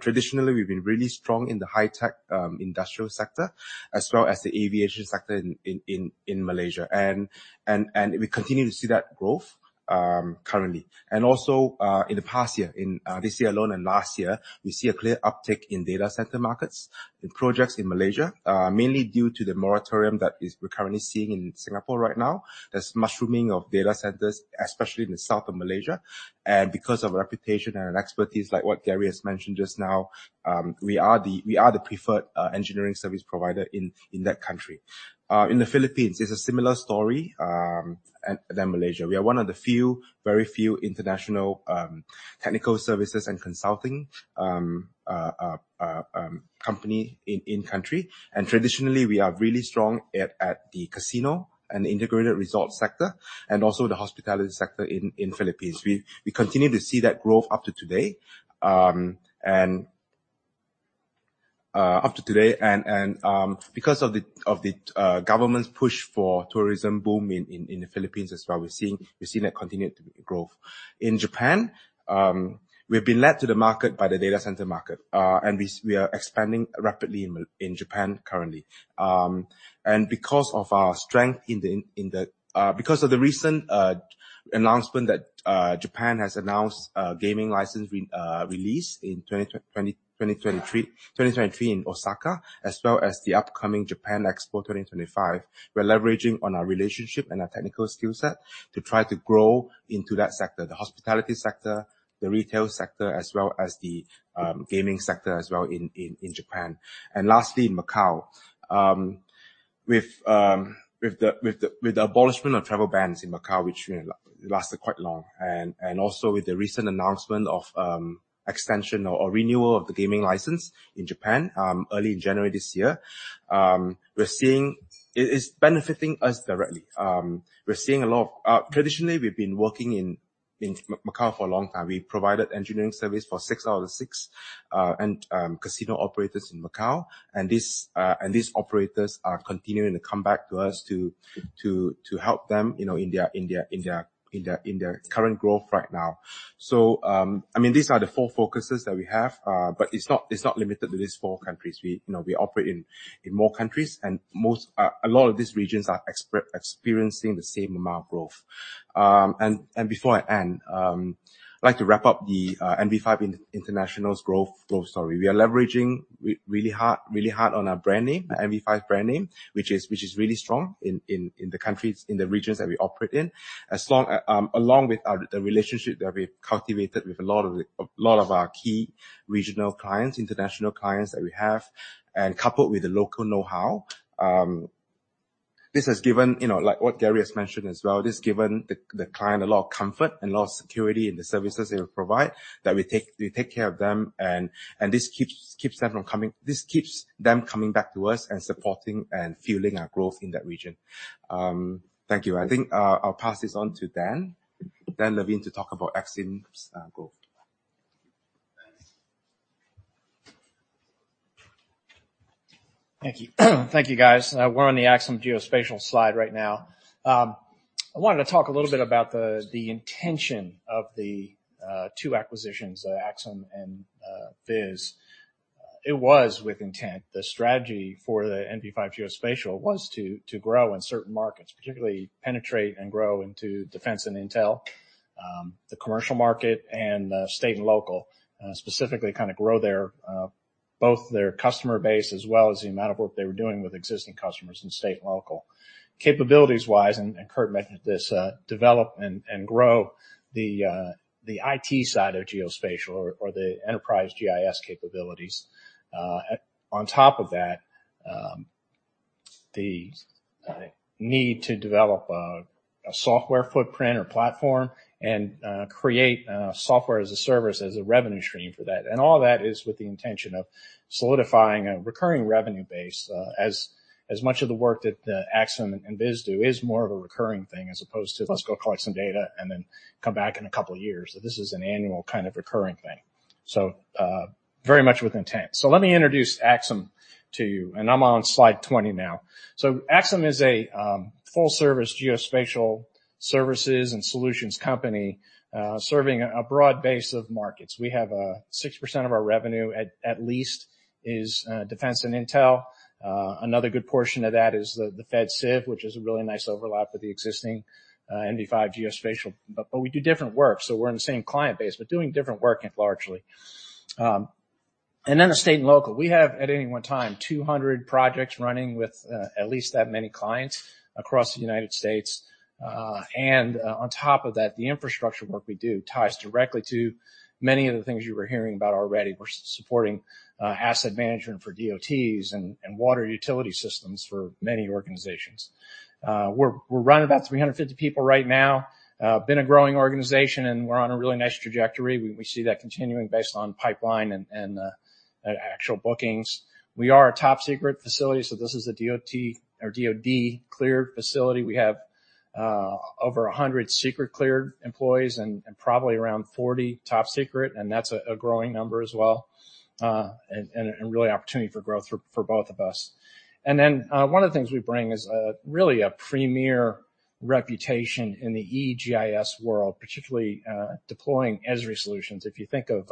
Traditionally, we've been really strong in the high tech industrial sector, as well as the aviation sector in Malaysia. We continue to see that growth, currently. Also, in the past year, in this year alone and last year, we see a clear uptick in data center markets, in projects in Malaysia, mainly due to the moratorium that is we're currently seeing in Singapore right now. There's mushrooming of data centers, especially in the south of Malaysia, and because of our reputation and expertise, like what Gary has mentioned just now, we are the preferred engineering service provider in that country. In the Philippines, it's a similar story than Malaysia. We are one of the few, very few international technical services and consulting company in country. Traditionally, we are really strong at the casino and integrated resort sector, and also the hospitality sector in Philippines. We continue to see that growth up to today, and because of the government's push for tourism boom in the Philippines as well, we've seen that continued growth. In Japan, we've been led to the market by the data center market, and we are expanding rapidly in Japan currently. Because of our strength in the recent announcement that Japan has announced a gaming license release in 2023 in Osaka, as well as the upcoming Japan Expo 2025, we're leveraging on our relationship and our technical skill set to try to grow into that sector, the hospitality sector, the retail sector, as well as the gaming sector as well in Japan. Lastly, Macau. With the abolishment of travel bans in Macau, which, you know, lasted quite long, and also with the recent announcement of extension or renewal of the gaming license in Japan, early in January this year, we're seeing. It is benefiting us directly. We're seeing a lot of traditionally, we've been working in, in Macau for a long time. We provided engineering service for six out of the six and casino operators in Macau, and these and these operators are continuing to come back to us to help them, you know, in their current growth right now. I mean, these are the four focuses that we have, but it's not, it's not limited to these four countries. We, you know, we operate in, in more countries, and most, a lot of these regions are experiencing the same amount of growth. Before I end, I'd like to wrap up the NV5 International's growth story. We are leveraging really hard on our brand name, the NV5 brand name, which is really strong in the countries, in the regions that we operate in. Along with our, the relationship that we've cultivated with a lot of our key regional clients, international clients that we have, and coupled with the local know-how, this has given, you know, like what Gary has mentioned as well, this has given the client a lot of comfort and a lot of security in the services they will provide, that we take care of them, and this keeps them coming back to us and supporting and fueling our growth in that region. Thank you. I think, I'll pass this on to Dan, Dan Levine, to talk about Axim's growth. Thank you. Thank you, guys. We're on the Axim Geospatial slide right now. I wanted to talk a little bit about the intention of the 2 acquisitions, Axim and VIS. It was with intent. The strategy for the NV5 Geospatial was to grow in certain markets, particularly penetrate and grow into defense and intel, the commercial market and state and local. Specifically kind of grow their both their customer base, as well as the amount of work they were doing with existing customers in state and local. Capabilities-wise, and Kurt mentioned this, develop and grow the IT side of geospatial or the enterprise GIS capabilities on top of that.... the need to develop a software footprint or platform and create software as a service, as a revenue stream for that. All that is with the intention of solidifying a recurring revenue base, as much of the work that Axim and VIS do is more of a recurring thing, as opposed to, let's go collect some data and then come back in a couple of years. This is an annual kind of recurring thing. Very much with intent. Let me introduce Axim to you, and I'm on slide 20 now. Axim is a full service geospatial services and solutions company, serving a broad base of markets. We have 6% of our revenue at least, is defense and intel. Another good portion of that is the Fed Civ, which is a really nice overlap with the existing NV5 Geospatial. We do different work, so we're in the same client base, but doing different work largely. The state and local. We have, at any one time, 200 projects running with at least that many clients across the United States. On top of that, the infrastructure work we do ties directly to many of the things you were hearing about already. We're supporting asset management for DOTs and water utility systems for many organizations. We're running about 350 people right now. Been a growing organization, we're on a really nice trajectory. We see that continuing based on pipeline and actual bookings. We are a top-secret facility. This is a DOT or DoD cleared facility. We have over 100 secret cleared employees and probably around 40 top secret, and that's a growing number as well. Really opportunity for growth for both of us. One of the things we bring is a really a premier reputation in the Esri world, particularly deploying Esri solutions. If you think of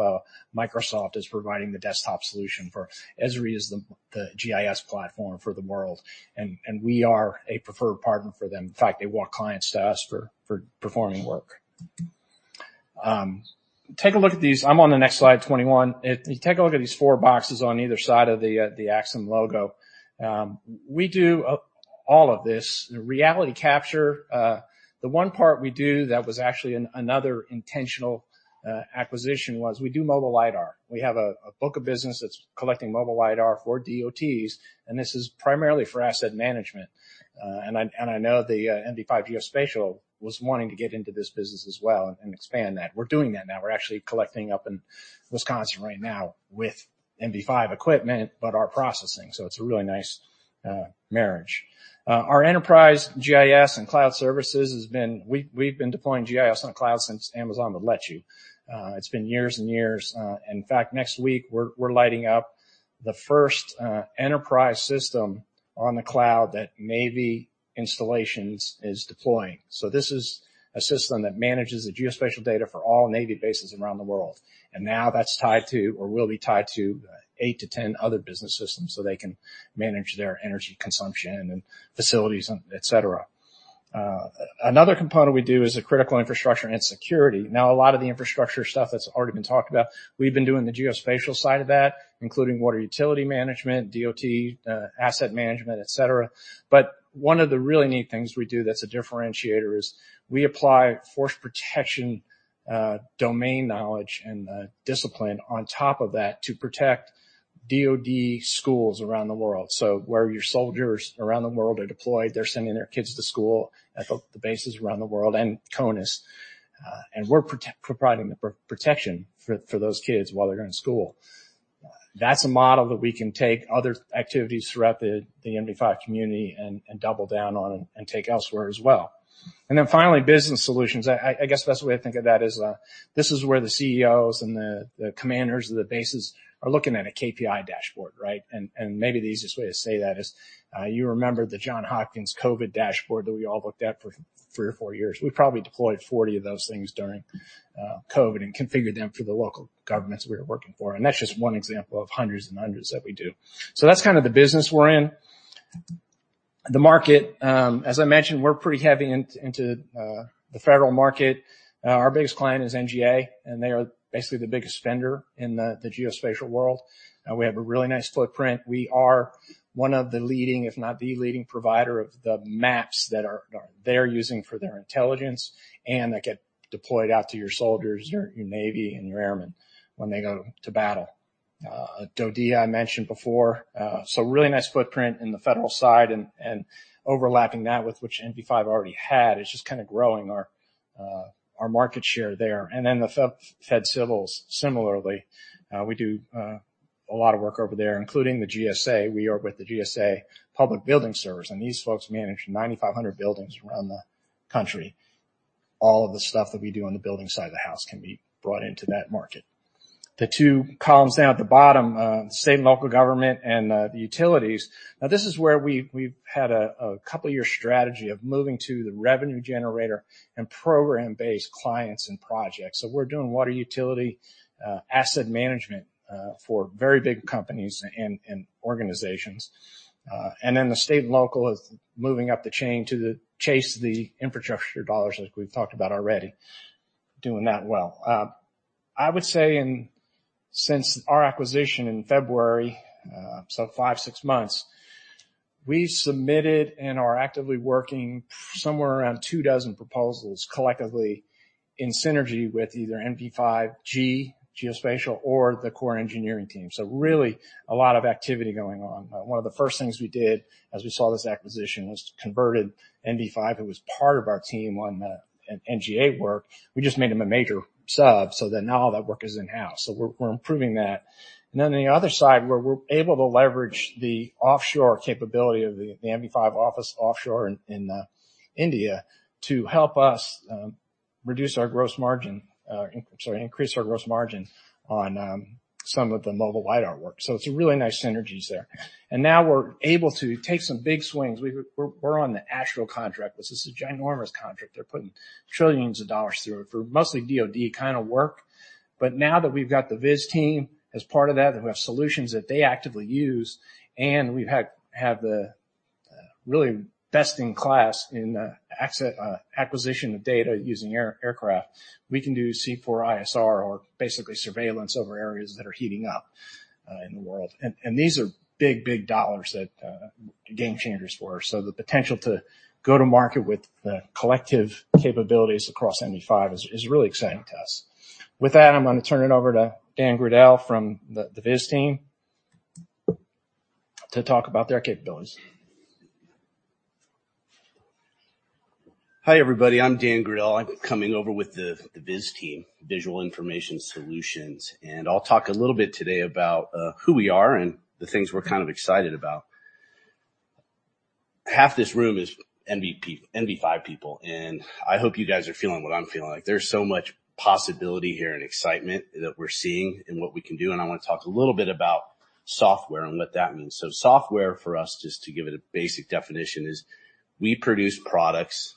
Microsoft as providing the desktop solution for Esri, is the GIS platform for the world, and we are a preferred partner for them. In fact, they walk clients to us for performing work. Take a look at these. I'm on the next slide, 21. If you take a look at these four boxes on either side of the Axim logo, we do all of this. Reality capture, the one part we do that was actually another intentional acquisition was we do mobile lidar. We have a book of business that's collecting mobile lidar for DOTs, this is primarily for asset management. I know the NV5 Geospatial was wanting to get into this business as well and expand that. We're doing that now. We're actually collecting up in Wisconsin right now with NV5 equipment, are processing. It's a really nice marriage. Our enterprise GIS and cloud services. We've been deploying GIS on the cloud since Amazon would let you. It's been years and years. In fact, next week, we're lighting up the first enterprise system on the cloud that Navy Installations is deploying. This is a system that manages the geospatial data for all Navy bases around the world, and now that's tied to or will be tied to 8-10 other business systems, so they can manage their energy consumption and facilities, and et cetera. Another component we do is the critical infrastructure and security. A lot of the infrastructure stuff that's already been talked about, we've been doing the geospatial side of that, including water utility management, DOT asset management, et cetera. One of the really neat things we do that's a differentiator is we apply force protection, domain knowledge and discipline on top of that to protect DoD schools around the world. Where your soldiers around the world are deployed, they're sending their kids to school at the bases around the world and CONUS. We're providing the protection for those kids while they're in school. That's a model that we can take other activities throughout the NV5 community and double down on and take elsewhere as well. Finally, business solutions. I guess the best way to think of that is this is where the CEOs and the commanders of the bases are looking at a KPI dashboard, right? And maybe the easiest way to say that is you remember the Johns Hopkins COVID dashboard that we all looked at for three or four years. We probably deployed 40 of those things during COVID and configured them for the local governments we were working for. That's just one example of hundreds and hundreds that we do. That's kind of the business we're in. The market, as I mentioned, we're pretty heavy into the federal market. Our biggest client is NGA. They are basically the biggest spender in the geospatial world. We have a really nice footprint. We are one of the leading, if not the leading provider of the maps that are they're using for their intelligence, that get deployed out to your soldiers, your Navy, and your airmen when they go to battle. DoDEA, I mentioned before, really nice footprint in the federal side and, and overlapping that with which NV5 already had, is just kinda growing our market share there. The Fed civils similarly, we do a lot of work over there, including the GSA. We work with the GSA Public Buildings Service, these folks manage 9,500 buildings around the country. All of the stuff that we do on the building side of the house can be brought into that market. The two columns down at the bottom, state and local government and the utilities. This is where we've had a couple-of-year strategy of moving to the revenue generator and program-based clients and projects. We're doing water utility asset management for very big companies and organizations. The state and local is moving up the chain to the chase, the infrastructure dollars as we've talked about already. doing that well. I would say in, since our acquisition in February, so 5, 6 months, we've submitted and are actively working somewhere around 2 dozen proposals, collectively in synergy with either NV5G, Geospatial, or the core engineering team. Really, a lot of activity going on. One of the first things we did as we saw this acquisition was converted NV5, who was part of our team on the NGA work. We just made them a major sub, so that now all that work is in-house. We're improving that. On the other side, where we're able to leverage the offshore capability of the NV5 office offshore in India, to help us reduce our gross margin, sorry, increase our gross margin on some of the mobile lidar work. It's a really nice synergies there. Now we're able to take some big swings. We're on the ASTRO contract. This is a ginormous contract. They're putting trillions of dollars through it for mostly DoD kind of work. Now that we've got the VIS team as part of that, and we have solutions that they actively use, and we've had the really best in class in access acquisition of data using aircraft, we can do C4ISR or basically surveillance over areas that are heating up in the world. These are big dollars that game changers for us. The potential to go to market with the collective capabilities across NV5 is really exciting to us. With that, I'm gonna turn it over to Dan Gradel from the VIS team to talk about their capabilities. Hi, everybody. I'm Dan Gridel. I'm coming over with the VIS team, Visual Information Solutions, I'll talk a little bit today about who we are and the things we're kind of excited about. Half this room is NV5 people, I hope you guys are feeling what I'm feeling like. There's so much possibility here and excitement that we're seeing in what we can do, I wanna talk a little bit about Software and what that means. Software, for us, just to give it a basic definition, is we produce products that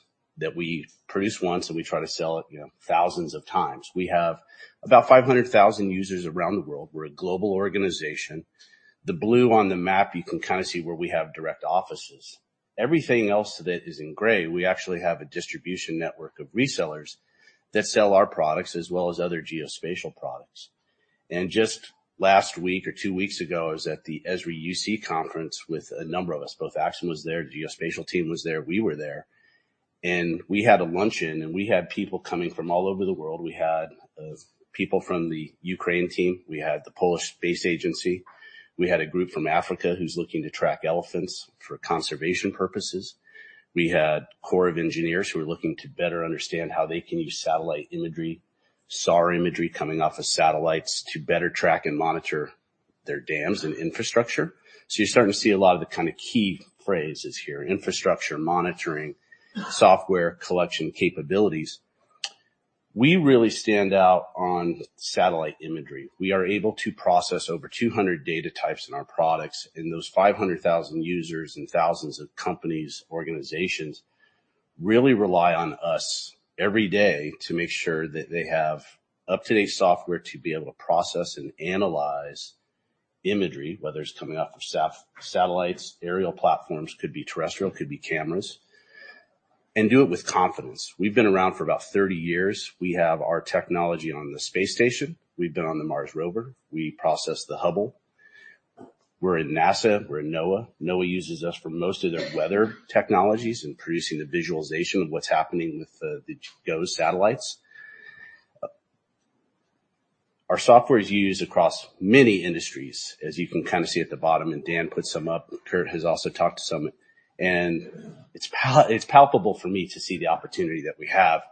we produce once, and we try to sell it, you know, thousands of times. We have about 500,000 users around the world. We're a global organization. The blue on the map, you can kinda see where we have direct offices. Everything else that is in gray, we actually have a distribution network of resellers that sell our products as well as other geospatial products. Just last week or two weeks ago, I was at the Esri UC conference with a number of us. Both Axim was there, Geospatial team was there, we were there, and we had a luncheon, and we had people coming from all over the world. We had people from the Ukraine team. We had the Polish Space Agency. We had a group from Africa who's looking to track elephants for conservation purposes. We had Corps of Engineers who are looking to better understand how they can use satellite imagery, SAR imagery, coming off of satellites to better track and monitor their dams and infrastructure. You're starting to see a lot of the kind of key phrases here: infrastructure, monitoring, software, collection capabilities. We really stand out on satellite imagery. We are able to process over 200 data types in our products. Those 500,000 users and thousands of companies, organizations, really rely on us every day to make sure that they have up-to-date software to be able to process and analyze imagery, whether it's coming off of satellites, aerial platforms, could be terrestrial, could be cameras, and do it with confidence. We've been around for about 30 years. We have our technology on the space station. We've been on the Mars Rover. We process the Hubble. We're in NASA, we're in NOAA. NOAA uses us for most of their weather technologies and producing the visualization of what's happening with the GOES satellites. Our software is used across many industries, as you can kind of see at the bottom. Dan put some up. Kurt has also talked to some. It's palpable for me to see the opportunity that we have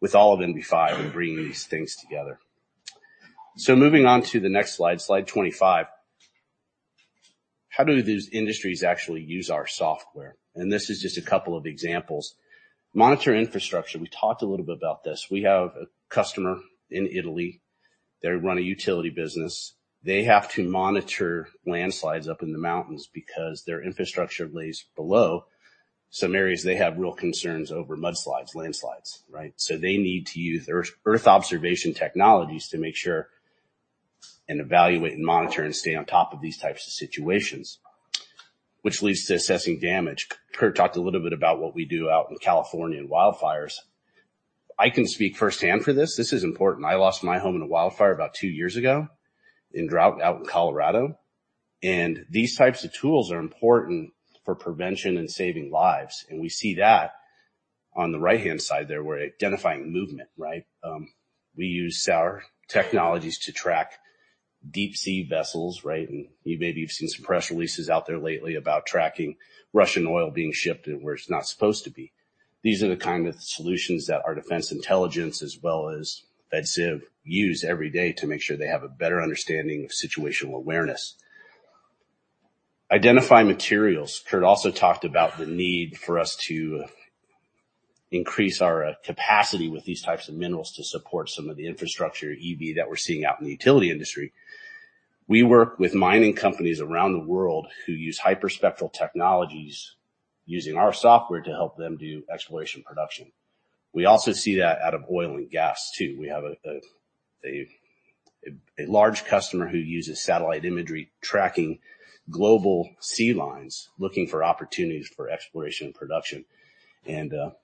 with all of NV5 and bringing these things together. Moving on to the next slide, slide 25. How do these industries actually use our software? This is just a couple of examples. Monitor infrastructure, we talked a little bit about this. We have a customer in Italy. They run a utility business. They have to monitor landslides up in the mountains because their infrastructure lays below some areas they have real concerns over mudslides, landslides, right? They need to use earth observation technologies to make sure and evaluate and monitor and stay on top of these types of situations, which leads to assessing damage. Kurt talked a little bit about what we do out in California in wildfires. I can speak firsthand for this. This is important. I lost my home in a wildfire about 2 years ago, in drought out in Colorado. These types of tools are important for prevention and saving lives. We see that on the right-hand side there, we're identifying movement, right? We use our technologies to track deep sea vessels, right? You maybe you've seen some press releases out there lately about tracking Russian oil being shipped in where it's not supposed to be. These are the kind of solutions that our defense intelligence, as well as Fed Civ, use every day to make sure they have a better understanding of situational awareness. Identifying materials. Kurt also talked about the need for us to increase our capacity with these types of minerals to support some of the infrastructure, EV, that we're seeing out in the utility industry. We work with mining companies around the world who use hyperspectral technologies, using our software to help them do exploration production. We also see that out of oil and gas, too. We have a large customer who uses satellite imagery, tracking global sea lines, looking for opportunities for exploration and production.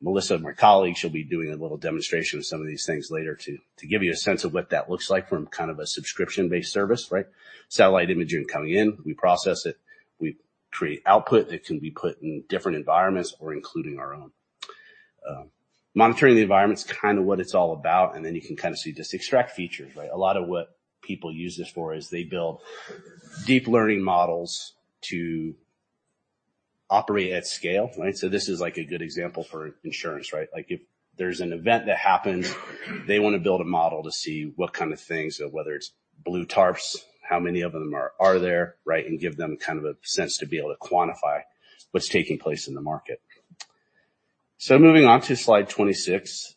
Melissa, my colleague, she'll be doing a little demonstration of some of these things later to give you a sense of what that looks like from kind of a subscription-based service, right? Satellite imaging coming in, we process it, we create output that can be put in different environments or including our own. Monitoring the environment is kind of what it's all about, you can kind of see this extract features, right? A lot of what people use this for is they build deep learning models to operate at scale, right? This is like a good example for insurance, right? Like, if there's an event that happens, they wanna build a model to see what kind of things, whether it's blue tarps, how many of them are there, right? Give them kind of a sense to be able to quantify what's taking place in the market. Moving on to slide 26.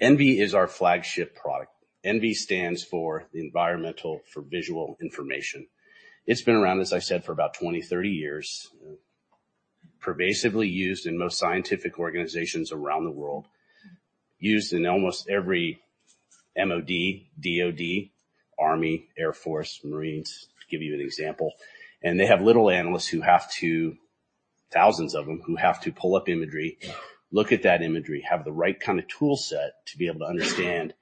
ENVI is our flagship product. ENVI stands for Environmental for Visual Information. It's been around, as I said, for about 20, 30 years. Pervasively used in most scientific organizations around the world. Used in almost every MOD, DOD, Army, Air Force, Marines, to give you an example. They have little analysts who have to. thousands of them, who have to pull up imagery, look at that imagery, have the right kind of tool set to be able to understand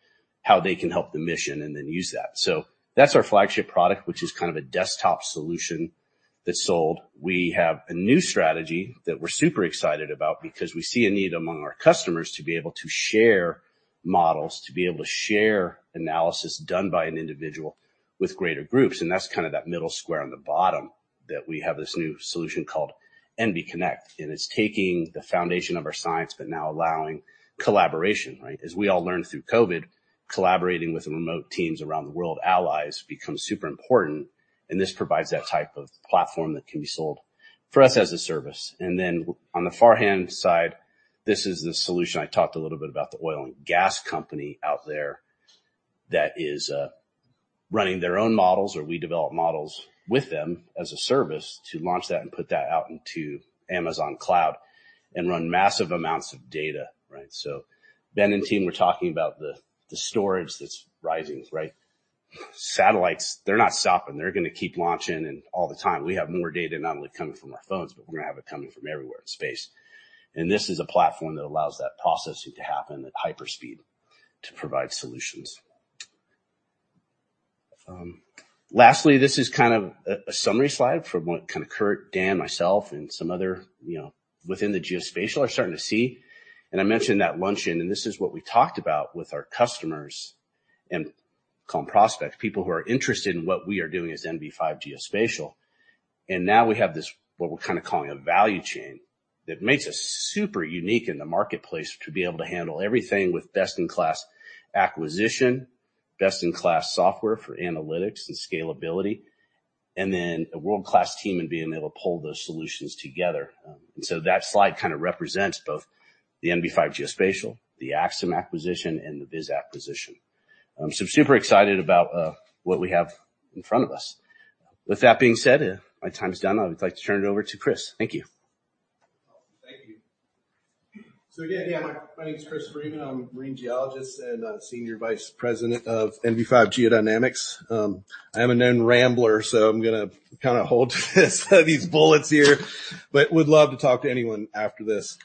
how they can help the mission and then use that. That's our flagship product, which is kind of a desktop solution that's sold. We have a new strategy that we're super excited about because we see a need among our customers to be able to share models, to be able to share analysis done by an individual with greater groups, and that's kind of that middle square on the bottom, that we have this new solution called ENVI Connect. It's taking the foundation of our science, but now allowing collaboration, right? As we all learned through COVID, collaborating with remote teams around the world, allies, becomes super important, and this provides that type of platform that can be sold for us as a service. On the far-hand side, this is the solution. I talked a little bit about the oil and gas company out there that is running their own models, or we develop models with them as a service to launch that and put that out into Amazon Cloud and run massive amounts of data, right? Ben and team were talking about the storage that's rising, right? Satellites, they're not stopping. They're gonna keep launching and all the time. We have more data not only coming from our phones, but we're gonna have it coming from everywhere in space. This is a platform that allows that processing to happen at hyperspeed to provide solutions. Lastly, this is kind of a, a summary slide from what kind of Kurt, Dan, myself, and some other, you know, within the Geospatial are starting to see. I mentioned that luncheon, and this is what we talked about with our customers and call them prospects, people who are interested in what we are doing as NV5 Geospatial. Now we have this, what we're kind of calling a value chain, that makes us super unique in the marketplace to be able to handle everything with best-in-class acquisition, best-in-class Software for analytics and scalability, and then a world-class team in being able to pull those solutions together. That slide kind of represents both the NV5 Geospatial, the Axim acquisition, and the VIS position. I'm super excited about what we have in front of us. With that being said, my time is done. I would like to turn it over to Chris. Thank you. Thank you. Again, my name is Sloan Freeman. I'm a marine geologist and senior vice president of NV5 Geodynamics. I am a known rambler, I'm gonna kinda hold to these bullets here, but would love to talk to anyone after this.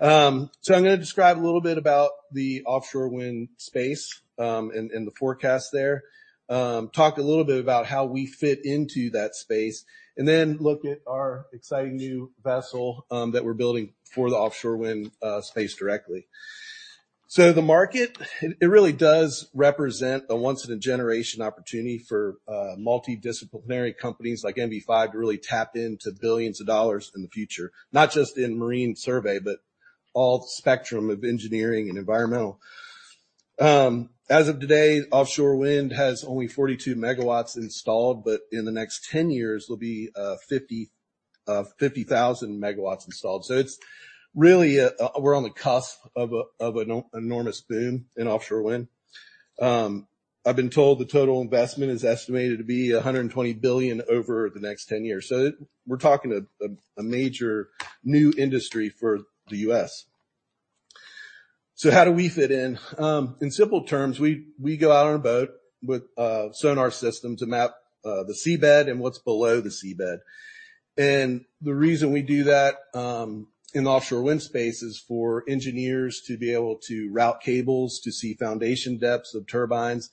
I'm gonna describe a little bit about the offshore wind space, and the forecast there. Talk a little bit about how we fit into that space, look at our exciting new vessel that we're building for the offshore wind space directly. The market, it really does represent a once in a generation opportunity for multidisciplinary companies like NV5 to really tap into billions of dollars in the future, not just in marine survey, but all spectrum of engineering and environmental. As of today, offshore wind has only 42 megawatts installed, but in the next 10 years, there'll be 50,000 megawatts installed. It's really, we're on the cusp of an enormous boom in offshore wind. I've been told the total investment is estimated to be $120 billion over the next 10 years. We're talking a major new industry for the US. How do we fit in? In simple terms, we go out on a boat with a sonar system to map the seabed and what's below the seabed. The reason we do that in the offshore wind space is for engineers to be able to route cables, to see foundation depths of turbines.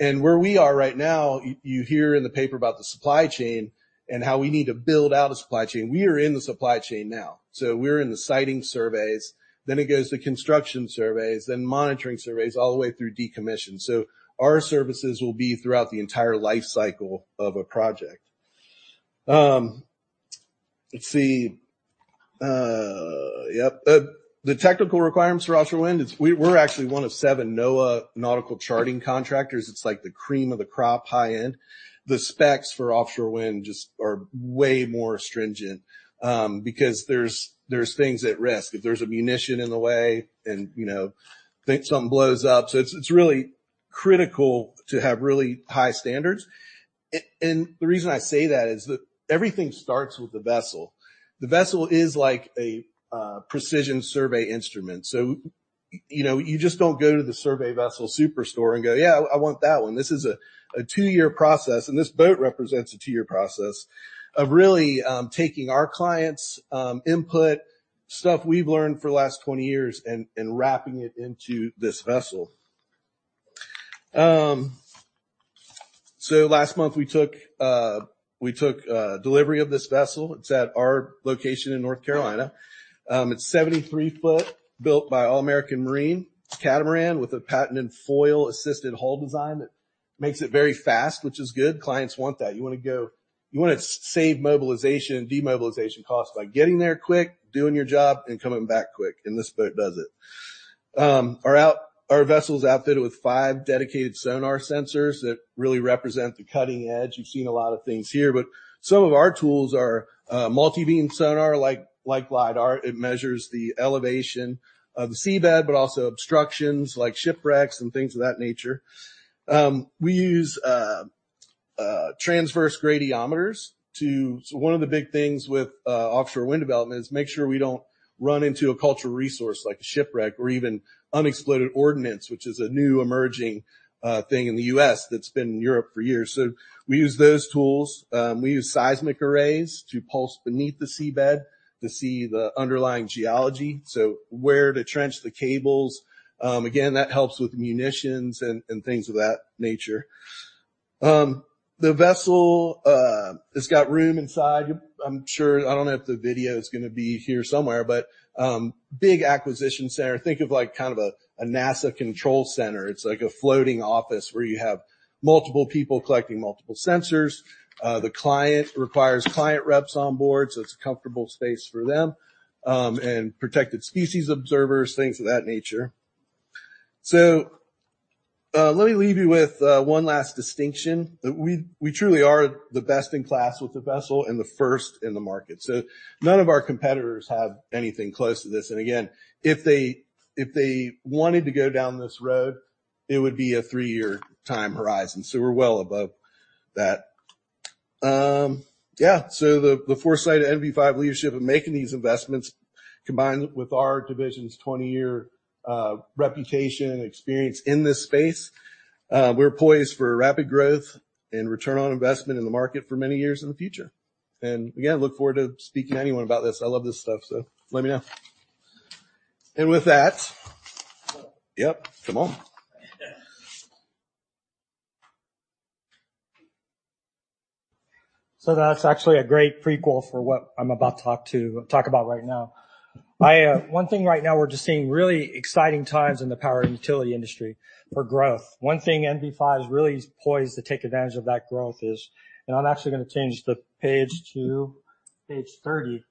Where we are right now, you hear in the paper about the supply chain and how we need to build out a supply chain. We are in the supply chain now, we're in the siting surveys, then it goes to construction surveys, then monitoring surveys, all the way through decommission. Our services will be throughout the entire life cycle of a project. Let's see. The technical requirements for offshore wind, We're actually one of 7 NOAA nautical charting contractors. It's like the cream of the crop, high-end. The specs for offshore wind just are way more stringent, because there's things at risk. If there's a munition in the way and, you know, think something blows up. It's really critical to have really high standards. And the reason I say that is that everything starts with the vessel. The vessel is like a precision survey instrument. You know, you just don't go to the survey vessel superstore and go, "Yeah, I want that one." This is a 2-year process, this boat represents a 2-year process of really taking our clients' input, stuff we've learned for the last 20 years and wrapping it into this vessel. Last month we took delivery of this vessel. It's at our location in North Carolina. It's 73 foot, built by All American Marine. It's a catamaran with a patented foil-assisted hull design that makes it very fast, which is good. Clients want that. You wanna save mobilization and demobilization costs by getting there quick, doing your job, and coming back quick, this boat does it. Our vessel is outfitted with 5 dedicated sonar sensors that really represent the cutting edge. You've seen a lot of things here, some of our tools are multibeam sonar, like LiDAR. It measures the elevation of the seabed, but also obstructions like shipwrecks and things of that nature. We use transverse gradiometers. One of the big things with offshore wind development is make sure we don't run into a cultural resource like a shipwreck or even unexploded ordnance, which is a new emerging thing in the U.S. that's been in Europe for years. We use those tools. We use seismic arrays to pulse beneath the seabed to see the underlying geology, so where to trench the cables. Again, that helps with munitions and things of that nature. The vessel, it's got room inside. I don't know if the video is gonna be here somewhere, but big acquisition center. Think of like kind of a NASA control center. It's like a floating office where you have multiple people collecting multiple sensors. The client requires client reps on board, so it's a comfortable space for them, and protected species observers, things of that nature. Let me leave you with one last distinction, that we truly are the best in class with the vessel and the first in the market. None of our competitors have anything close to this. Again, if they wanted to go down this road, it would be a three-year time horizon, so we're well above that. Yeah, so the foresight of NV5 leadership in making these investments, combined with our division's 20-year reputation and experience in this space, we're poised for rapid growth and return on investment in the market for many years in the future. Again, I look forward to speaking to anyone about this. I love this stuff, so let me know. With that. Yep, come on. That's actually a great prequel for what I'm about to talk about right now. I, one thing right now, we're just seeing really exciting times in the power and utility industry for growth. One thing NV5 is really poised to take advantage of that growth is... I'm actually going to change the page to page 30.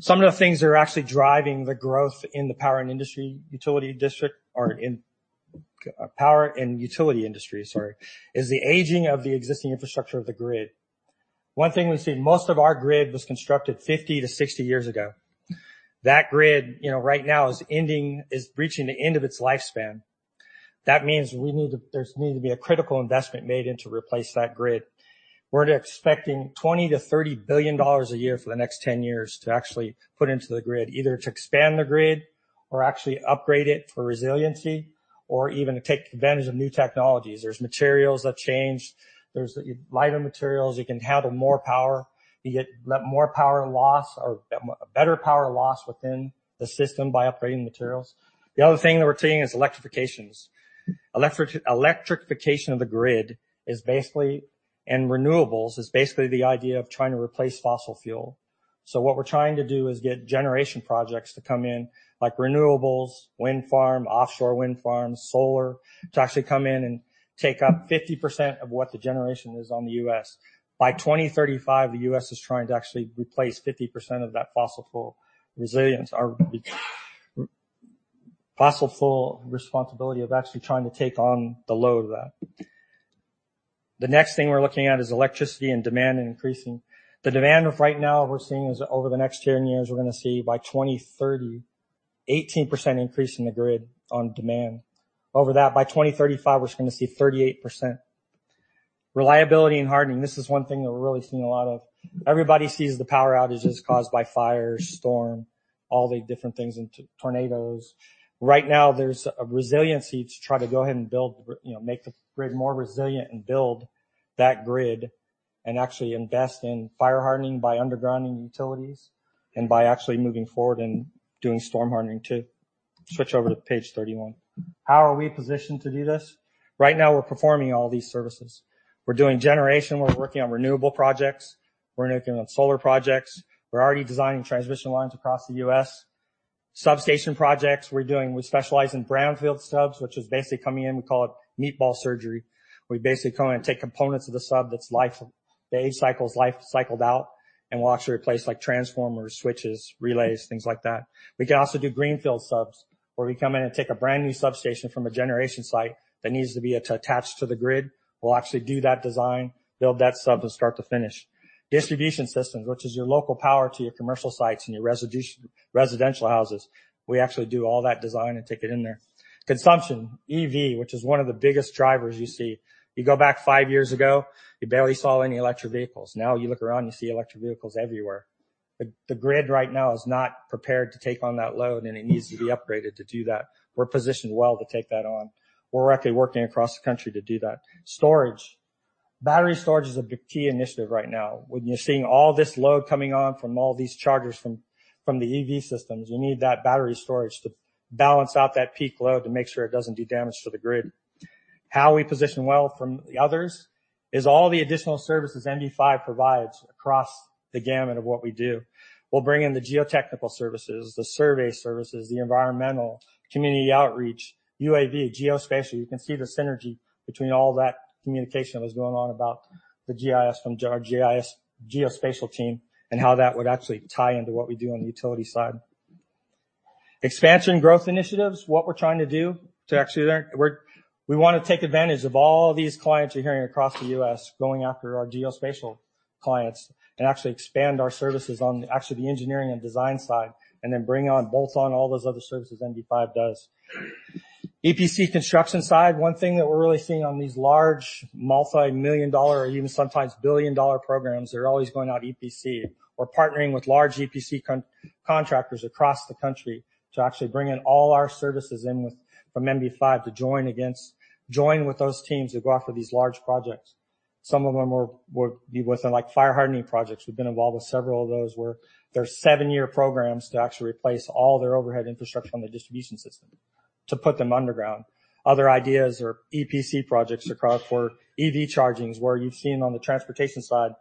Some of the things that are actually driving the growth in the power and industry utility district, or in power and utility industry, sorry, is the aging of the existing infrastructure of the grid. One thing we've seen, most of our grid was constructed 50 to 60 years ago. That grid, you know, right now is ending, is reaching the end of its lifespan. That means there's need to be a critical investment made in to replace that grid. We're expecting $20 billion-$30 billion a year for the next 10 years to actually put into the grid, either to expand the grid or actually upgrade it for resiliency or even to take advantage of new technologies. There's materials that change. There's lighter materials that can handle more power. You get more power loss or better power loss within the system by upgrading materials. The other thing that we're seeing is electrification. Electrification of the grid is basically, and renewables, is basically the idea of trying to replace fossil fuel. What we're trying to do is get generation projects to come in, like renewables, wind farm, offshore wind farms, solar, to actually come in and take up 50% of what the generation is on the U.S. By 2035, the U.S. is trying to actually replace 50% of that fossil fuel resilience or fossil fuel responsibility of actually trying to take on the load of that. The next thing we're looking at is electricity and demand increasing. The demand right now we're seeing is over the next 10 years, we're gonna see by 2030, 18% increase in the grid on demand. Over that, by 2035, we're gonna see 38%. Reliability and hardening, this is one thing that we're really seeing a lot of. Everybody sees the power outages caused by fire, storm, all the different things, and tornadoes. Right now, there's a resiliency to try to go ahead and build, you know, make the grid more resilient and build that grid and actually invest in fire hardening by undergrounding utilities and by actually moving forward and doing storm hardening, too. Switch over to page 31. How are we positioned to do this? Right now, we're performing all these services. We're doing generation, we're working on renewable projects, we're working on solar projects. We're already designing transmission lines across the U.S. Substation projects we're doing, we specialize in brownfield subs, which is basically coming in, we call it meatball surgery. We basically come in and take components of the sub that's life cycled out, and we'll actually replace like transformers, switches, relays, things like that. We can also do greenfield subs, where we come in and take a brand-new substation from a generation site that needs to be attached to the grid. We'll actually do that design, build that sub from start to finish. Distribution systems, which is your local power to your commercial sites and your residential houses. We actually do all that design and take it in there. Consumption, EV, which is one of the biggest drivers you see. You go back five years ago, you barely saw any electric vehicles. Now, you look around, you see electric vehicles everywhere. The grid right now is not prepared to take on that load. It needs to be upgraded to do that. We're positioned well to take that on. We're actually working across the country to do that. Storage. Battery storage is a big key initiative right now. When you're seeing all this load coming on from all these chargers from the EV systems, you need that battery storage to balance out that peak load to make sure it doesn't do damage to the grid. How we position well from the others, is all the additional services NV5 provides across the gamut of what we do. We'll bring in the geotechnical services, the survey services, the environmental, community outreach, UAV, geospatial. You can see the synergy between all that communication that was going on about the GIS from our geospatial team, and how that would actually tie into what we do on the utility side. Expansion growth initiatives, what we're trying to do to actually, we want to take advantage of all these clients you're hearing across the U.S., going after our geospatial clients, and actually expand our services on actually the engineering and design side, and then bring on, bolt on all those other services NV5 does. EPC construction side, one thing that we're really seeing on these large multi-million dollar or even sometimes billion-dollar programs, they're always going out EPC. We're partnering with large EPC contractors across the country to actually bring in all our services in with, from NV5 to join with those teams to go after these large projects. Some of them are, would be within, like, fire hardening projects. We've been involved with several of those, where there are 7-year programs to actually replace all their overhead infrastructure from the distribution system, to put them underground. Other ideas or EPC projects across for EV chargings, where you've seen on the transportation side,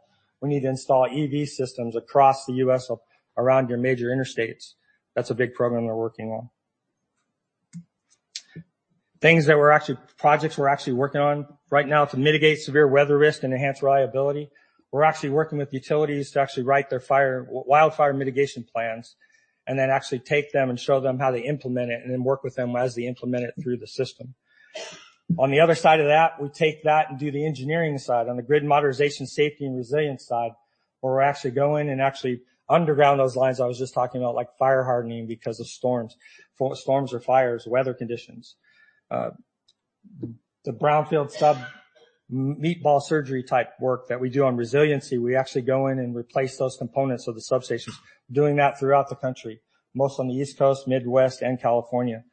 we need to install EV systems across the U.S. around your major interstates. That's a big program we're working on. Projects we're actually working on right now to mitigate severe weather risk and enhance reliability. We're actually working with utilities to actually write their fire, wildfire mitigation plans, and then actually take them and show them how they implement it, and then work with them as they implement it through the system. On the other side of that, we take that and do the engineering side, on the grid modernization, safety, and resilience side, where we're actually go in and actually underground those lines I was just talking about, like fire hardening because of storms. For storms or fires, weather conditions. The brownfield sub meatball surgery type work that we do on resiliency, we actually go in and replace those components of the substations. Doing that throughout the country, mostly on the East Coast, Midwest, and California.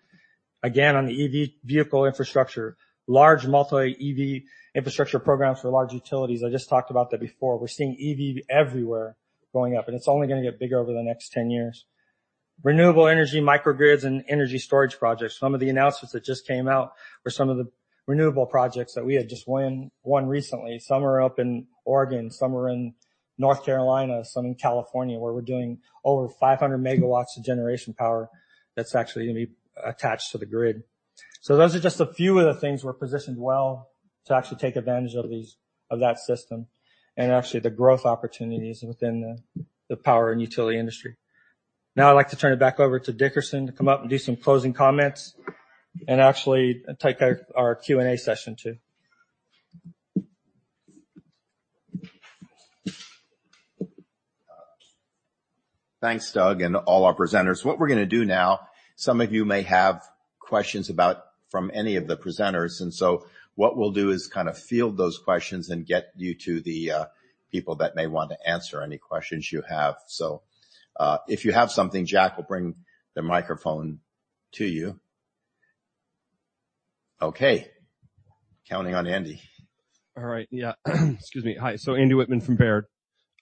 Again, on the EV vehicle infrastructure, large multi-EV infrastructure programs for large utilities. I just talked about that before. We're seeing EV everywhere going up. It's only going to get bigger over the next 10 years. Renewable energy, microgrids, and energy storage projects. Some of the announcements that just came out were some of the renewable projects that we had just won recently. Some are up in Oregon, some are in North Carolina, some in California, where we're doing over 500 megawatts of generation power that's actually going to be attached to the grid. Those are just a few of the things we're positioned well to actually take advantage of these, of that system, and actually the growth opportunities within the power and utility industry. Now, I'd like to turn it back over to Dickerson to come up and do some closing comments, and actually take our Q&A session, too. Thanks, Doug, and all our presenters. What we're gonna do now, some of you may have questions from any of the presenters, and so what we'll do is kind of field those questions and get you to the people that may want to answer any questions you have. If you have something, Jack will bring the microphone to you. Okay, counting on Andy. All right. Yeah. Excuse me. Hi. Andy Wittmann from Baird.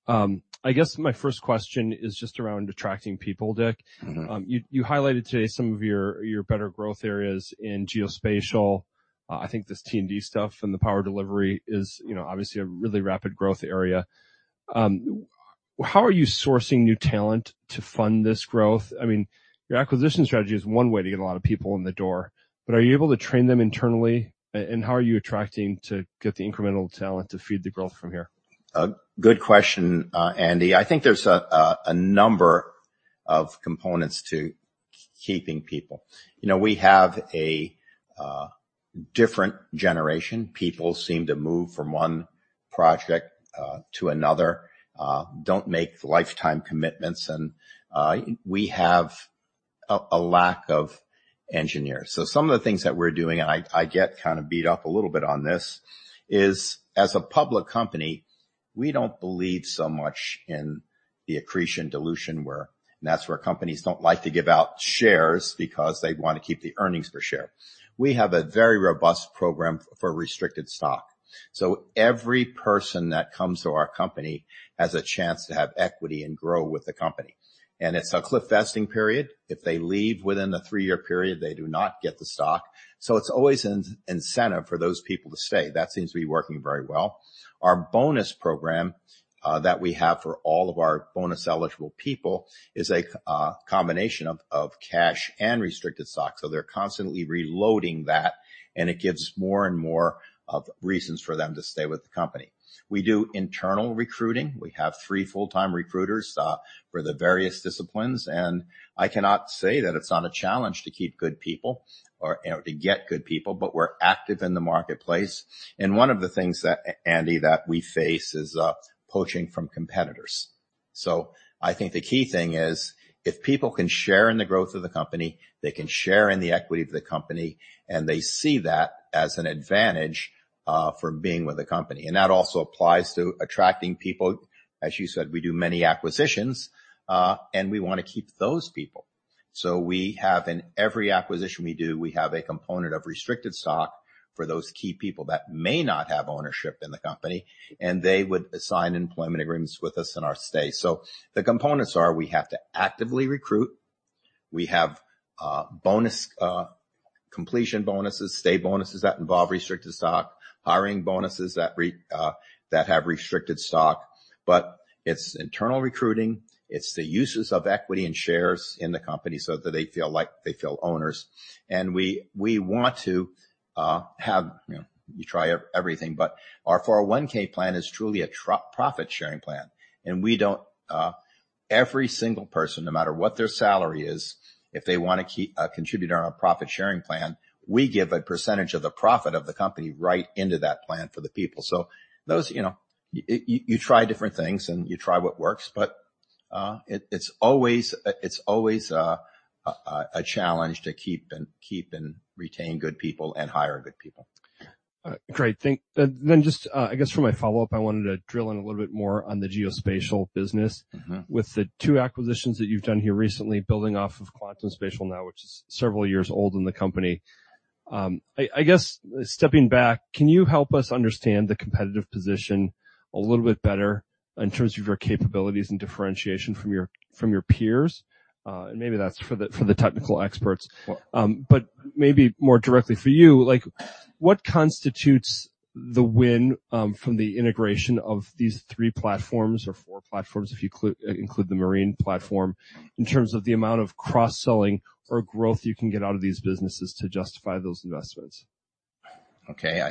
I guess my first question is just around attracting people, Dickerson. Mm-hmm. You highlighted today some of your better growth areas in geospatial. I think this T&D stuff and the power delivery is, you know, obviously a really rapid growth area. How are you sourcing new talent to fund this growth? I mean, your acquisition strategy is one way to get a lot of people in the door, but are you able to train them internally, and how are you attracting to get the incremental talent to feed the growth from here? A good question, Andy. I think there's a number of components to keeping people. You know, we have a different generation. People seem to move from one project to another, don't make lifetime commitments, and we have a lack of engineers. Some of the things that we're doing, and I get kind of beat up a little bit on this, is as a public company, we don't believe so much in the accretion dilution. That's where companies don't like to give out shares because they'd want to keep the earnings per share. We have a very robust program for restricted stock, so every person that comes to our company has a chance to have equity and grow with the company. It's a cliff vesting period. If they leave within the three-year period, they do not get the stock, so it's always an incentive for those people to stay. That seems to be working very well. Our bonus program, that we have for all of our bonus-eligible people is a combination of cash and restricted stock, so they're constantly reloading that, and it gives more and more reasons for them to stay with the company. We do internal recruiting. We have three full-time recruiters for the various disciplines, and I cannot say that it's not a challenge to keep good people or to get good people, but we're active in the marketplace. One of the things that, Andy, that we face is poaching from competitors. I think the key thing is, if people can share in the growth of the company, they can share in the equity of the company, and they see that as an advantage for being with the company. That also applies to attracting people. As you said, we do many acquisitions, and we want to keep those people. We have in every acquisition we do, we have a component of restricted stock for those key people that may not have ownership in the company, and they would sign employment agreements with us in our stay. The components are, we have to actively recruit. We have bonus completion bonuses, stay bonuses that involve restricted stock, hiring bonuses that have restricted stock. It's internal recruiting, it's the uses of equity and shares in the company so that they feel like they feel owners. We want to have, you know, you try everything, but our plan is truly a profit-sharing plan, and we don't. Every single person, no matter what their salary is, if they wanna contribute on our profit-sharing plan, we give a percentage of the profit of the company right into that plan for the people. Those, you know, you try different things and you try what works, but it's always a challenge to keep and retain good people and hire good people. Great. Just, I guess for my follow-up, I wanted to drill in a little bit more on the Geospatial business. Mm-hmm. With the two acquisitions that you've done here recently, building off of Quantum Spatial now, which is several years old in the company. I guess stepping back, can you help us understand the competitive position a little bit better in terms of your capabilities and differentiation from your peers? Maybe that's for the, for the technical experts. Sure. Maybe more directly for you, like, what constitutes the win, from the integration of these three platforms or four platforms, if you include the marine platform, in terms of the amount of cross-selling or growth you can get out of these businesses to justify those investments? Okay.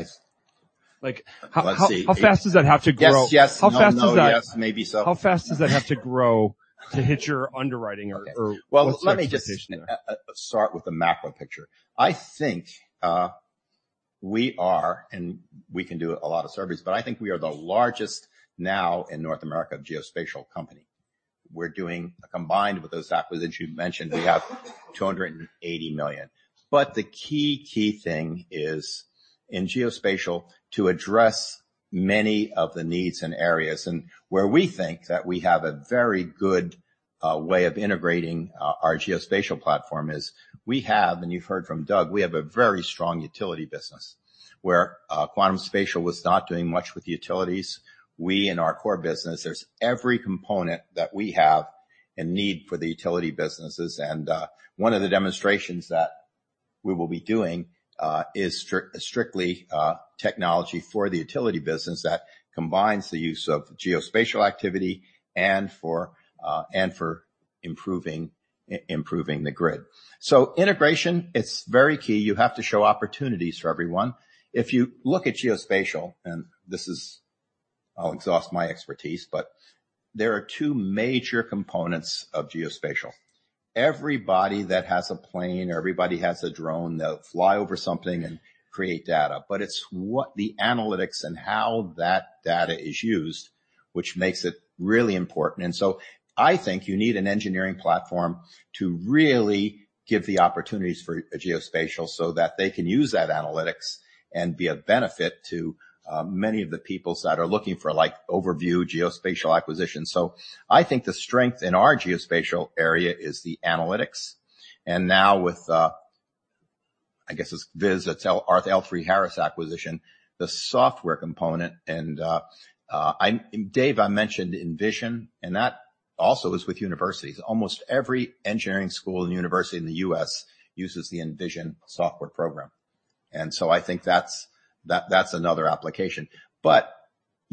Like- Let's see. How fast does that have to grow? Yes, yes. How fast does that-? No, yes. Maybe so. How fast does that have to grow to hit your underwriting or? Well, let me. Position there.... start with the macro picture. I think we are, and we can do a lot of surveys, I think we are the largest now in North America, geospatial company. We're doing, combined with those acquisitions you've mentioned, we have $280 million. The key thing is, in geospatial, to address many of the needs and areas and where we think that we have a very good way of integrating our, our geospatial platform is we have, and you've heard from Doug, we have a very strong utility business where Quantum Spatial was not doing much with utilities. We, in our core business, there's every component that we have a need for the utility businesses, and one of the demonstrations that we will be doing is strictly technology for the utility business that combines the use of geospatial activity and for improving the grid. Integration, it's very key. You have to show opportunities for everyone. If you look at geospatial, I'll exhaust my expertise, but there are two major components of geospatial. Everybody that has a plane or everybody has a drone, they'll fly over something and create data, but it's what the analytics and how that data is used, which makes it really important. I think you need an engineering platform to really give the opportunities for a geospatial so that they can use that analytics and be of benefit to many of the peoples that are looking for, like, overview, geospatial acquisitions. I think the strength in our geospatial area is the analytics. Now with, I guess, it's VIS, it's our L3Harris acquisition, the software component, and, Dave, I mentioned ENVI, and that also is with universities. Almost every engineering school and university in the U.S. uses the ENVI software program. I think that's another application.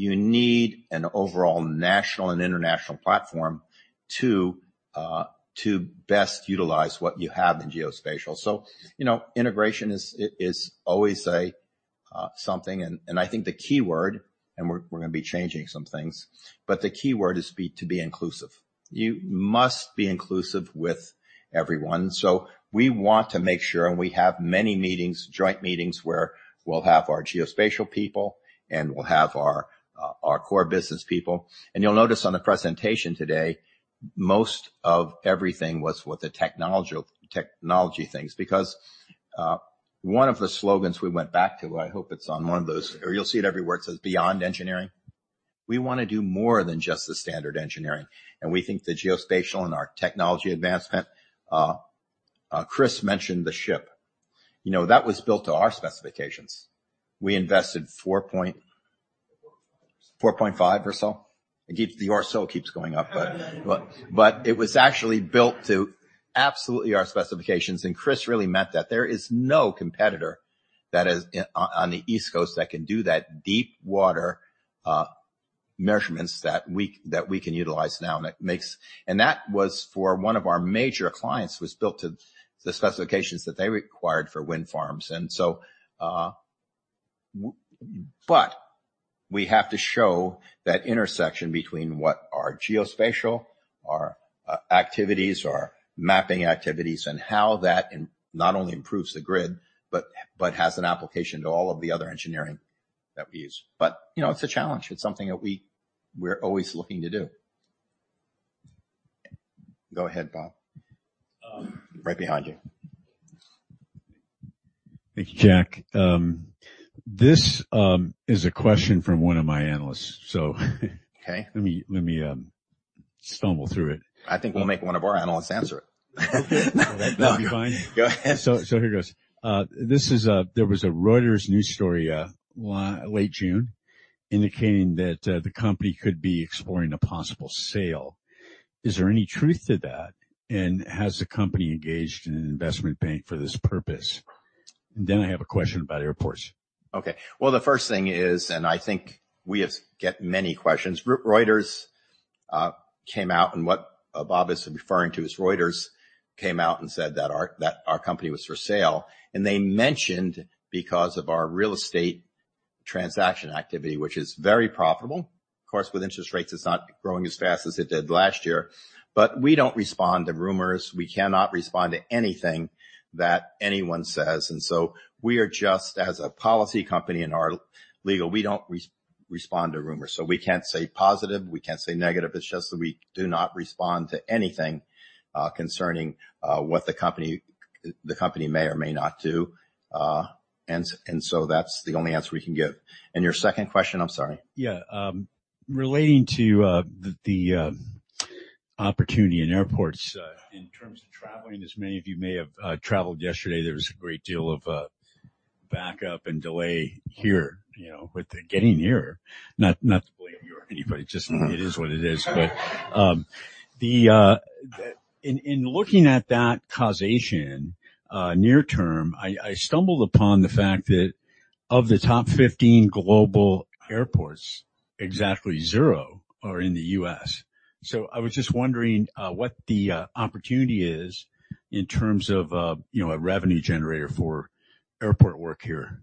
You need an overall national and international platform to best utilize what you have in geospatial. You know, integration is always a something, and I think the keyword, and we're gonna be changing some things, but the keyword is to be inclusive. You must be inclusive with everyone. We want to make sure, and we have many meetings, joint meetings, where we'll have our geospatial people, and we'll have our core business people. You'll notice on the presentation today, most of everything was with the technology things. One of the slogans we went back to, I hope it's on one of those, or you'll see it everywhere, it says, "Beyond engineering." We wanna do more than just the standard engineering, and we think the geospatial and our technology advancement, Chris mentioned the ship. You know, that was built to our specifications. We invested four point- 4.5 or so. It keeps the or so keeps going up, but it was actually built to absolutely our specifications, and Chris really meant that. There is no competitor that is on the East Coast that can do that deep water measurements that we can utilize now, and it makes. That was for one of our major clients, was built to the specifications that they required for wind farms. But we have to show that intersection between what our geospatial, our activities, our mapping activities, and how that not only improves the grid, but has an application to all of the other engineering that we use. You know, it's a challenge. It's something that we're always looking to do. Go ahead, Bob. Um- Right behind you. Thank you, Jack. This is a question from one of my analysts. Okay. Let me stumble through it. I think we'll make one of our analysts answer it. That'd be fine. Go ahead. Here goes. This is. There was a Reuters news story, late June, indicating that the company could be exploring a possible sale. Is there any truth to that? Has the company engaged an investment bank for this purpose? I have a question about airports. Okay. Well, the first thing is, I think we have get many questions. Reuters came out, and what Bob is referring to, is Reuters came out and said that our company was for sale, and they mentioned, because of our real estate transaction activity, which is very profitable. Of course, with interest rates, it's not growing as fast as it did last year. We don't respond to rumors. We cannot respond to anything that anyone says. We are just, as a policy company, in our legal, we don't respond to rumors. We can't say positive, we can't say negative. It's just that we do not respond to anything, concerning, what the company may or may not do. That's the only answer we can give. Your second question, I'm sorry. Yeah, relating to the opportunity in airports, in terms of traveling, as many of you may have traveled yesterday, there was a great deal of backup and delay here, you know, with the getting here. Not to blame you or anybody, just it is what it is. In looking at that causation, near term, I stumbled upon the fact that of the top 15 global airports, exactly 0 are in the U.S. I was just wondering, what the opportunity is in terms of, you know, a revenue generator for airport work here?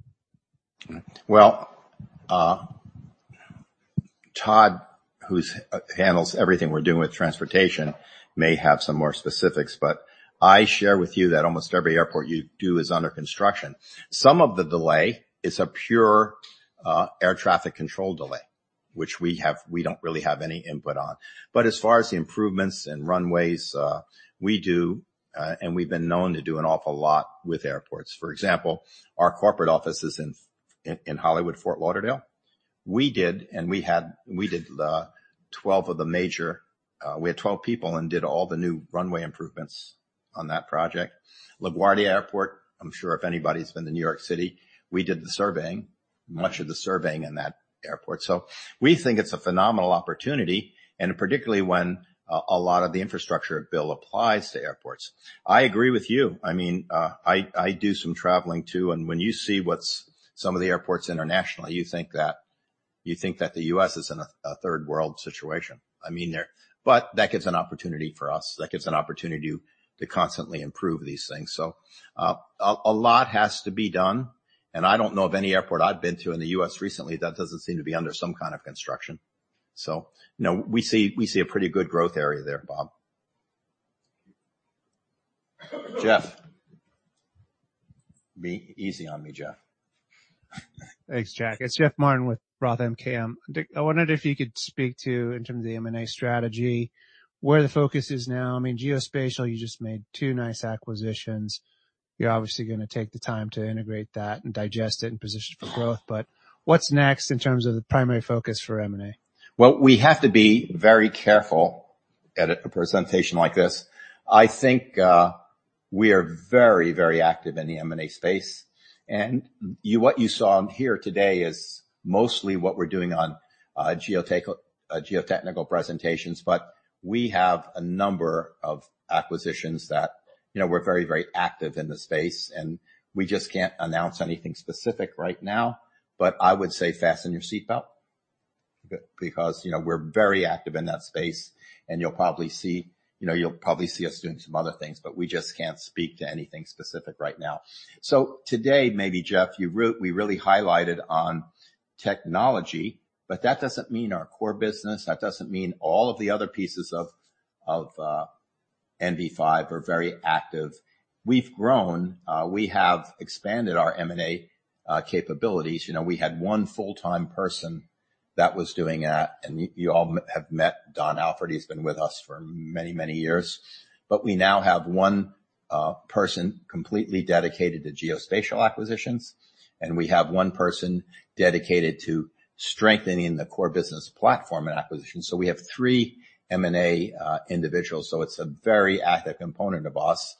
Todd, who's handles everything we're doing with transportation, may have some more specifics, but I share with you that almost every airport you do is under construction. Some of the delay is a pure air traffic control delay, which we don't really have any input on. As far as the improvements and runways, we do, and we've been known to do an awful lot with airports. For example, our corporate office is in, in Hollywood/Fort Lauderdale. We did 12 of the major, we had 12 people and did all the new runway improvements on that project. LaGuardia Airport, I'm sure if anybody's been to New York City, we did the surveying, much of the surveying in that airport. We think it's a phenomenal opportunity, and particularly when a lot of the infrastructure bill applies to airports. I agree with you. I mean, I do some traveling, too, and when you see what's some of the airports internationally, you think that the U.S. is in a third world situation. I mean, there. That gives an opportunity for us. That gives an opportunity to constantly improve these things. A lot has to be done, and I don't know of any airport I've been to in the U.S. recently, that doesn't seem to be under some kind of construction. You know, we see a pretty good growth area there, Bob. Jeff. Be easy on me, Jeff. Thanks, Jack. It's Jeff Martin with Roth MKM I wondered if you could speak to, in terms of the M&A strategy, where the focus is now? I mean, geospatial, you just made 2 nice acquisitions. You're obviously gonna take the time to integrate that and digest it in position for growth, but what's next in terms of the primary focus for M&A? Well, we have to be very careful at a presentation like this. I think, we are very, very active in the M&A space. You, what you saw here today is mostly what we're doing on geotechnical presentations. We have a number of acquisitions that, you know, we're very, very active in the space, and we just can't announce anything specific right now. I would say fasten your seatbelt, because, you know, we're very active in that space, and you'll probably see, you know, you'll probably see us doing some other things, but we just can't speak to anything specific right now. Today, maybe Jeff, you wrote, we really highlighted on technology, but that doesn't mean our core business, that doesn't mean all of the other pieces of NV5 are very active. We've grown. We have expanded our M&A capabilities. You know, we had one full-time person that was doing that, and you, you all have met Don Alford. He's been with us for many, many years. We now have one person completely dedicated to geospatial acquisitions, and we have one person dedicated to strengthening the core business platform and acquisitions. We have three M&A individuals, so it's a very active component of us.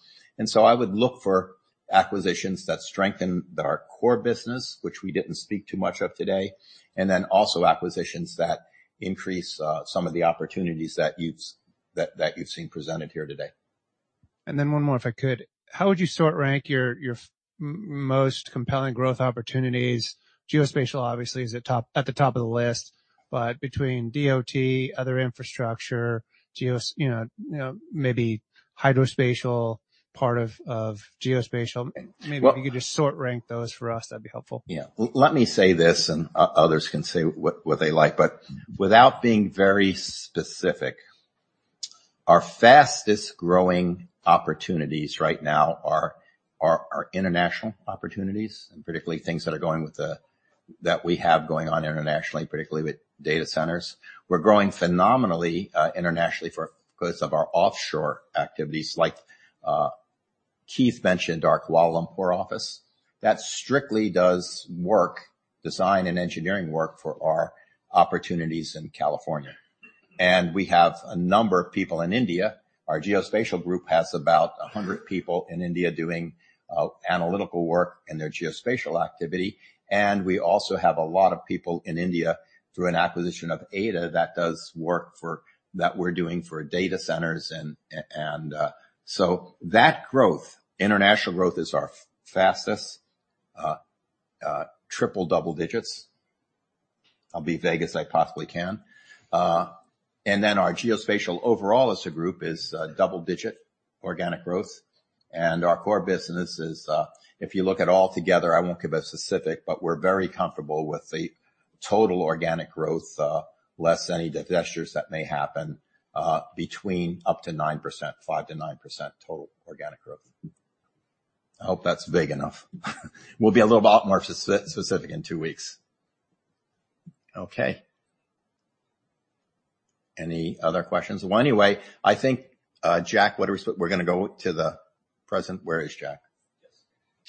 I would look for acquisitions that strengthen our core business, which we didn't speak too much of today, and then also acquisitions that increase some of the opportunities that you've seen presented here today. One more, if I could. How would you rank your most compelling growth opportunities? Geospatial, obviously, is at the top of the list between DOT, other infrastructure, geos, you know, maybe hydrospatial, part of geospatial. Well- Maybe you could just sort rank those for us. That'd be helpful. Yeah. Let me say this, others can say what they like, without being very specific, our fastest-growing opportunities right now are our international opportunities, and particularly things that we have going on internationally, particularly with data centers. We're growing phenomenally, internationally for because of our offshore activities. Like, Keith mentioned our Kuala Lumpur office. That strictly does work, design, and engineering work for our opportunities in California. We have a number of people in India. Our geospatial group has about 100 people in India doing analytical work in their geospatial activity. We also have a lot of people in India through an acquisition of Ada that we're doing for data centers. That growth, international growth, is our fastest triple double digits. I'll be vague as I possibly can. Our Geospatial overall as a group is double-digit organic growth, and our core business is, if you look at all together, I won't give a specific, but we're very comfortable with the total organic growth, less any divestitures that may happen, between up to 9%, 5%-9% total organic growth. I hope that's vague enough. We'll be a little bit more specific in two weeks. Okay. Any other questions? Well, anyway, I think, Jack, what are we? We're gonna go to the present. Where is Jack?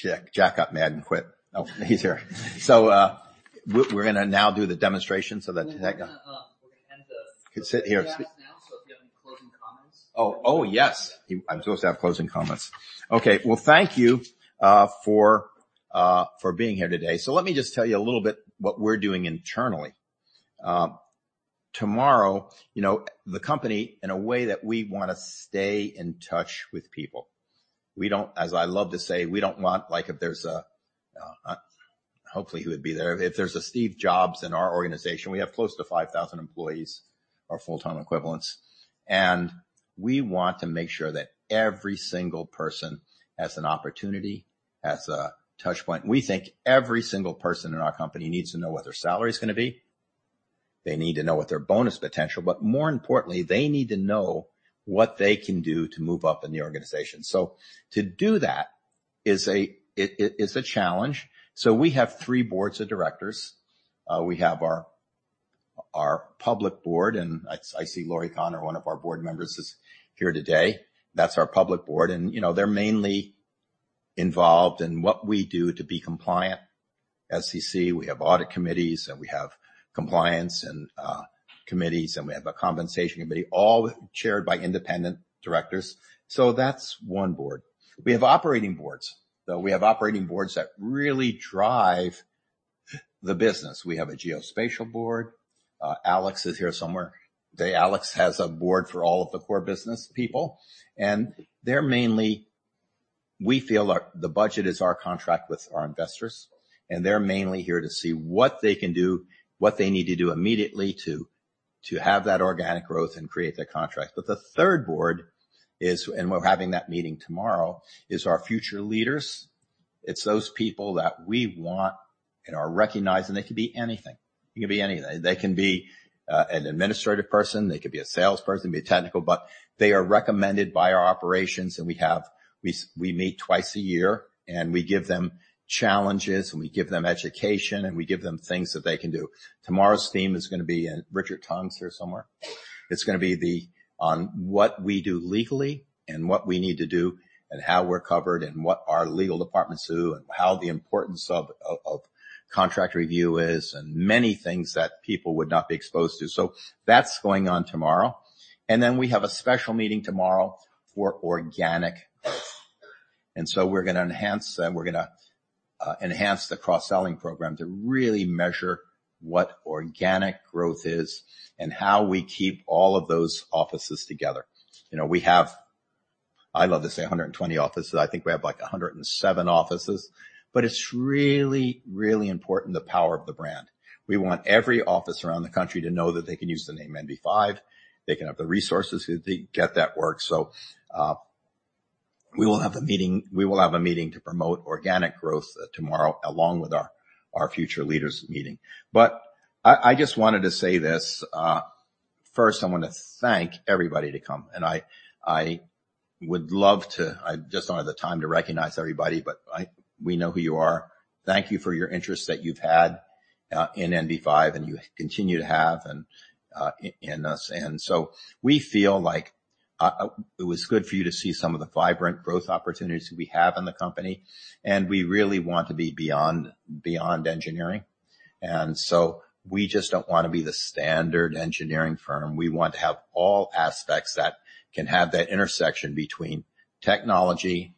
Yes. Jack got mad and quit. Oh, he's here. We're gonna now do the demonstration. We're gonna end. You can sit here. Now, if you have any closing comments. Yes, I'm supposed to have closing comments. Okay. Thank you for being here today. Let me just tell you a little bit what we're doing internally. Tomorrow, you know, the company, in a way that we wanna stay in touch with people. As I love to say, like, if there's a hopefully he would be there. If there's a Steve Jobs in our organization, we have close to 5,000 employees or full-time equivalents, and we want to make sure that every single person has an opportunity, has a touch point. We think every single person in our company needs to know what their salary is gonna be. They need to know what their bonus potential, but more importantly, they need to know what they can do to move up in the organization. To do that is a challenge. We have 3 boards of directors. We have our public board, and I see Lori Connor, one of our board members, is here today. That's our public board, and, you know, they're mainly involved in what we do to be compliant. SEC, we have audit committees, we have compliance committees, and we have a compensation committee, all chaired by independent directors. That's 1 board. We have operating boards, though. We have operating boards that really drive the business. We have a geospatial board. Alex is here somewhere. Alex has a board for all of the core business people, and they're mainly... We feel the budget is our contract with our investors. They're mainly here to see what they can do, what they need to do immediately to have that organic growth and create that contract. The third board is, and we're having that meeting tomorrow, is our future leaders. It's those people that we want and are recognizing. They can be anything. They can be anything. They can be an administrative person, they could be a salesperson, be a technical, but they are recommended by our operations. We meet twice a year, and we give them challenges, and we give them education, and we give them things that they can do. Tomorrow's theme is gonna be. Richard Tong's here somewhere. It's gonna be the, on what we do legally and what we need to do, and how we're covered and what our legal departments do, and how the importance of contract review is, and many things that people would not be exposed to. That's going on tomorrow. We have a special meeting tomorrow for organic. We're gonna enhance that. We're gonna enhance the cross-selling program to really measure what organic growth is and how we keep all of those offices together. You know, we have, I love to say 120 offices. I think we have, like, 107 offices, but it's really, really important, the power of the brand. We want every office around the country to know that they can use the name NV5, they can have the resources to get that work. We will have a meeting to promote organic growth tomorrow, along with our future leaders meeting. I just wanted to say this, first, I want to thank everybody to come, and I would love to. I just don't have the time to recognize everybody, but we know who you are. Thank you for your interest that you've had in NV5, and you continue to have in us. We feel like it was good for you to see some of the vibrant growth opportunities we have in the company, and we really want to be beyond engineering. We just don't want to be the standard engineering firm. We want to have all aspects that can have that intersection between technology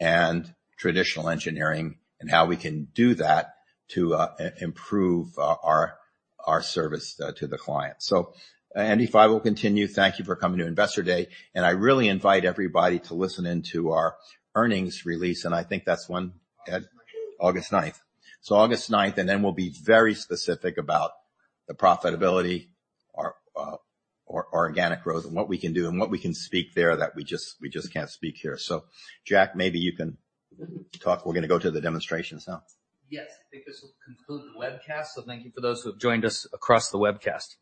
and traditional engineering, and how we can do that to improve our service to the client. NV5 will continue. Thank you for coming to Investor Day. I really invite everybody to listen in to our earnings release. I think that's when, Ed? August ninth. August ninth. August ninth, and then we'll be very specific about the profitability, our organic growth and what we can do, and what we can speak there that we just can't speak here. Jack, maybe you can talk. We're gonna go to the demonstrations now. Yes, I think this will conclude the webcast. Thank you for those who have joined us across the webcast.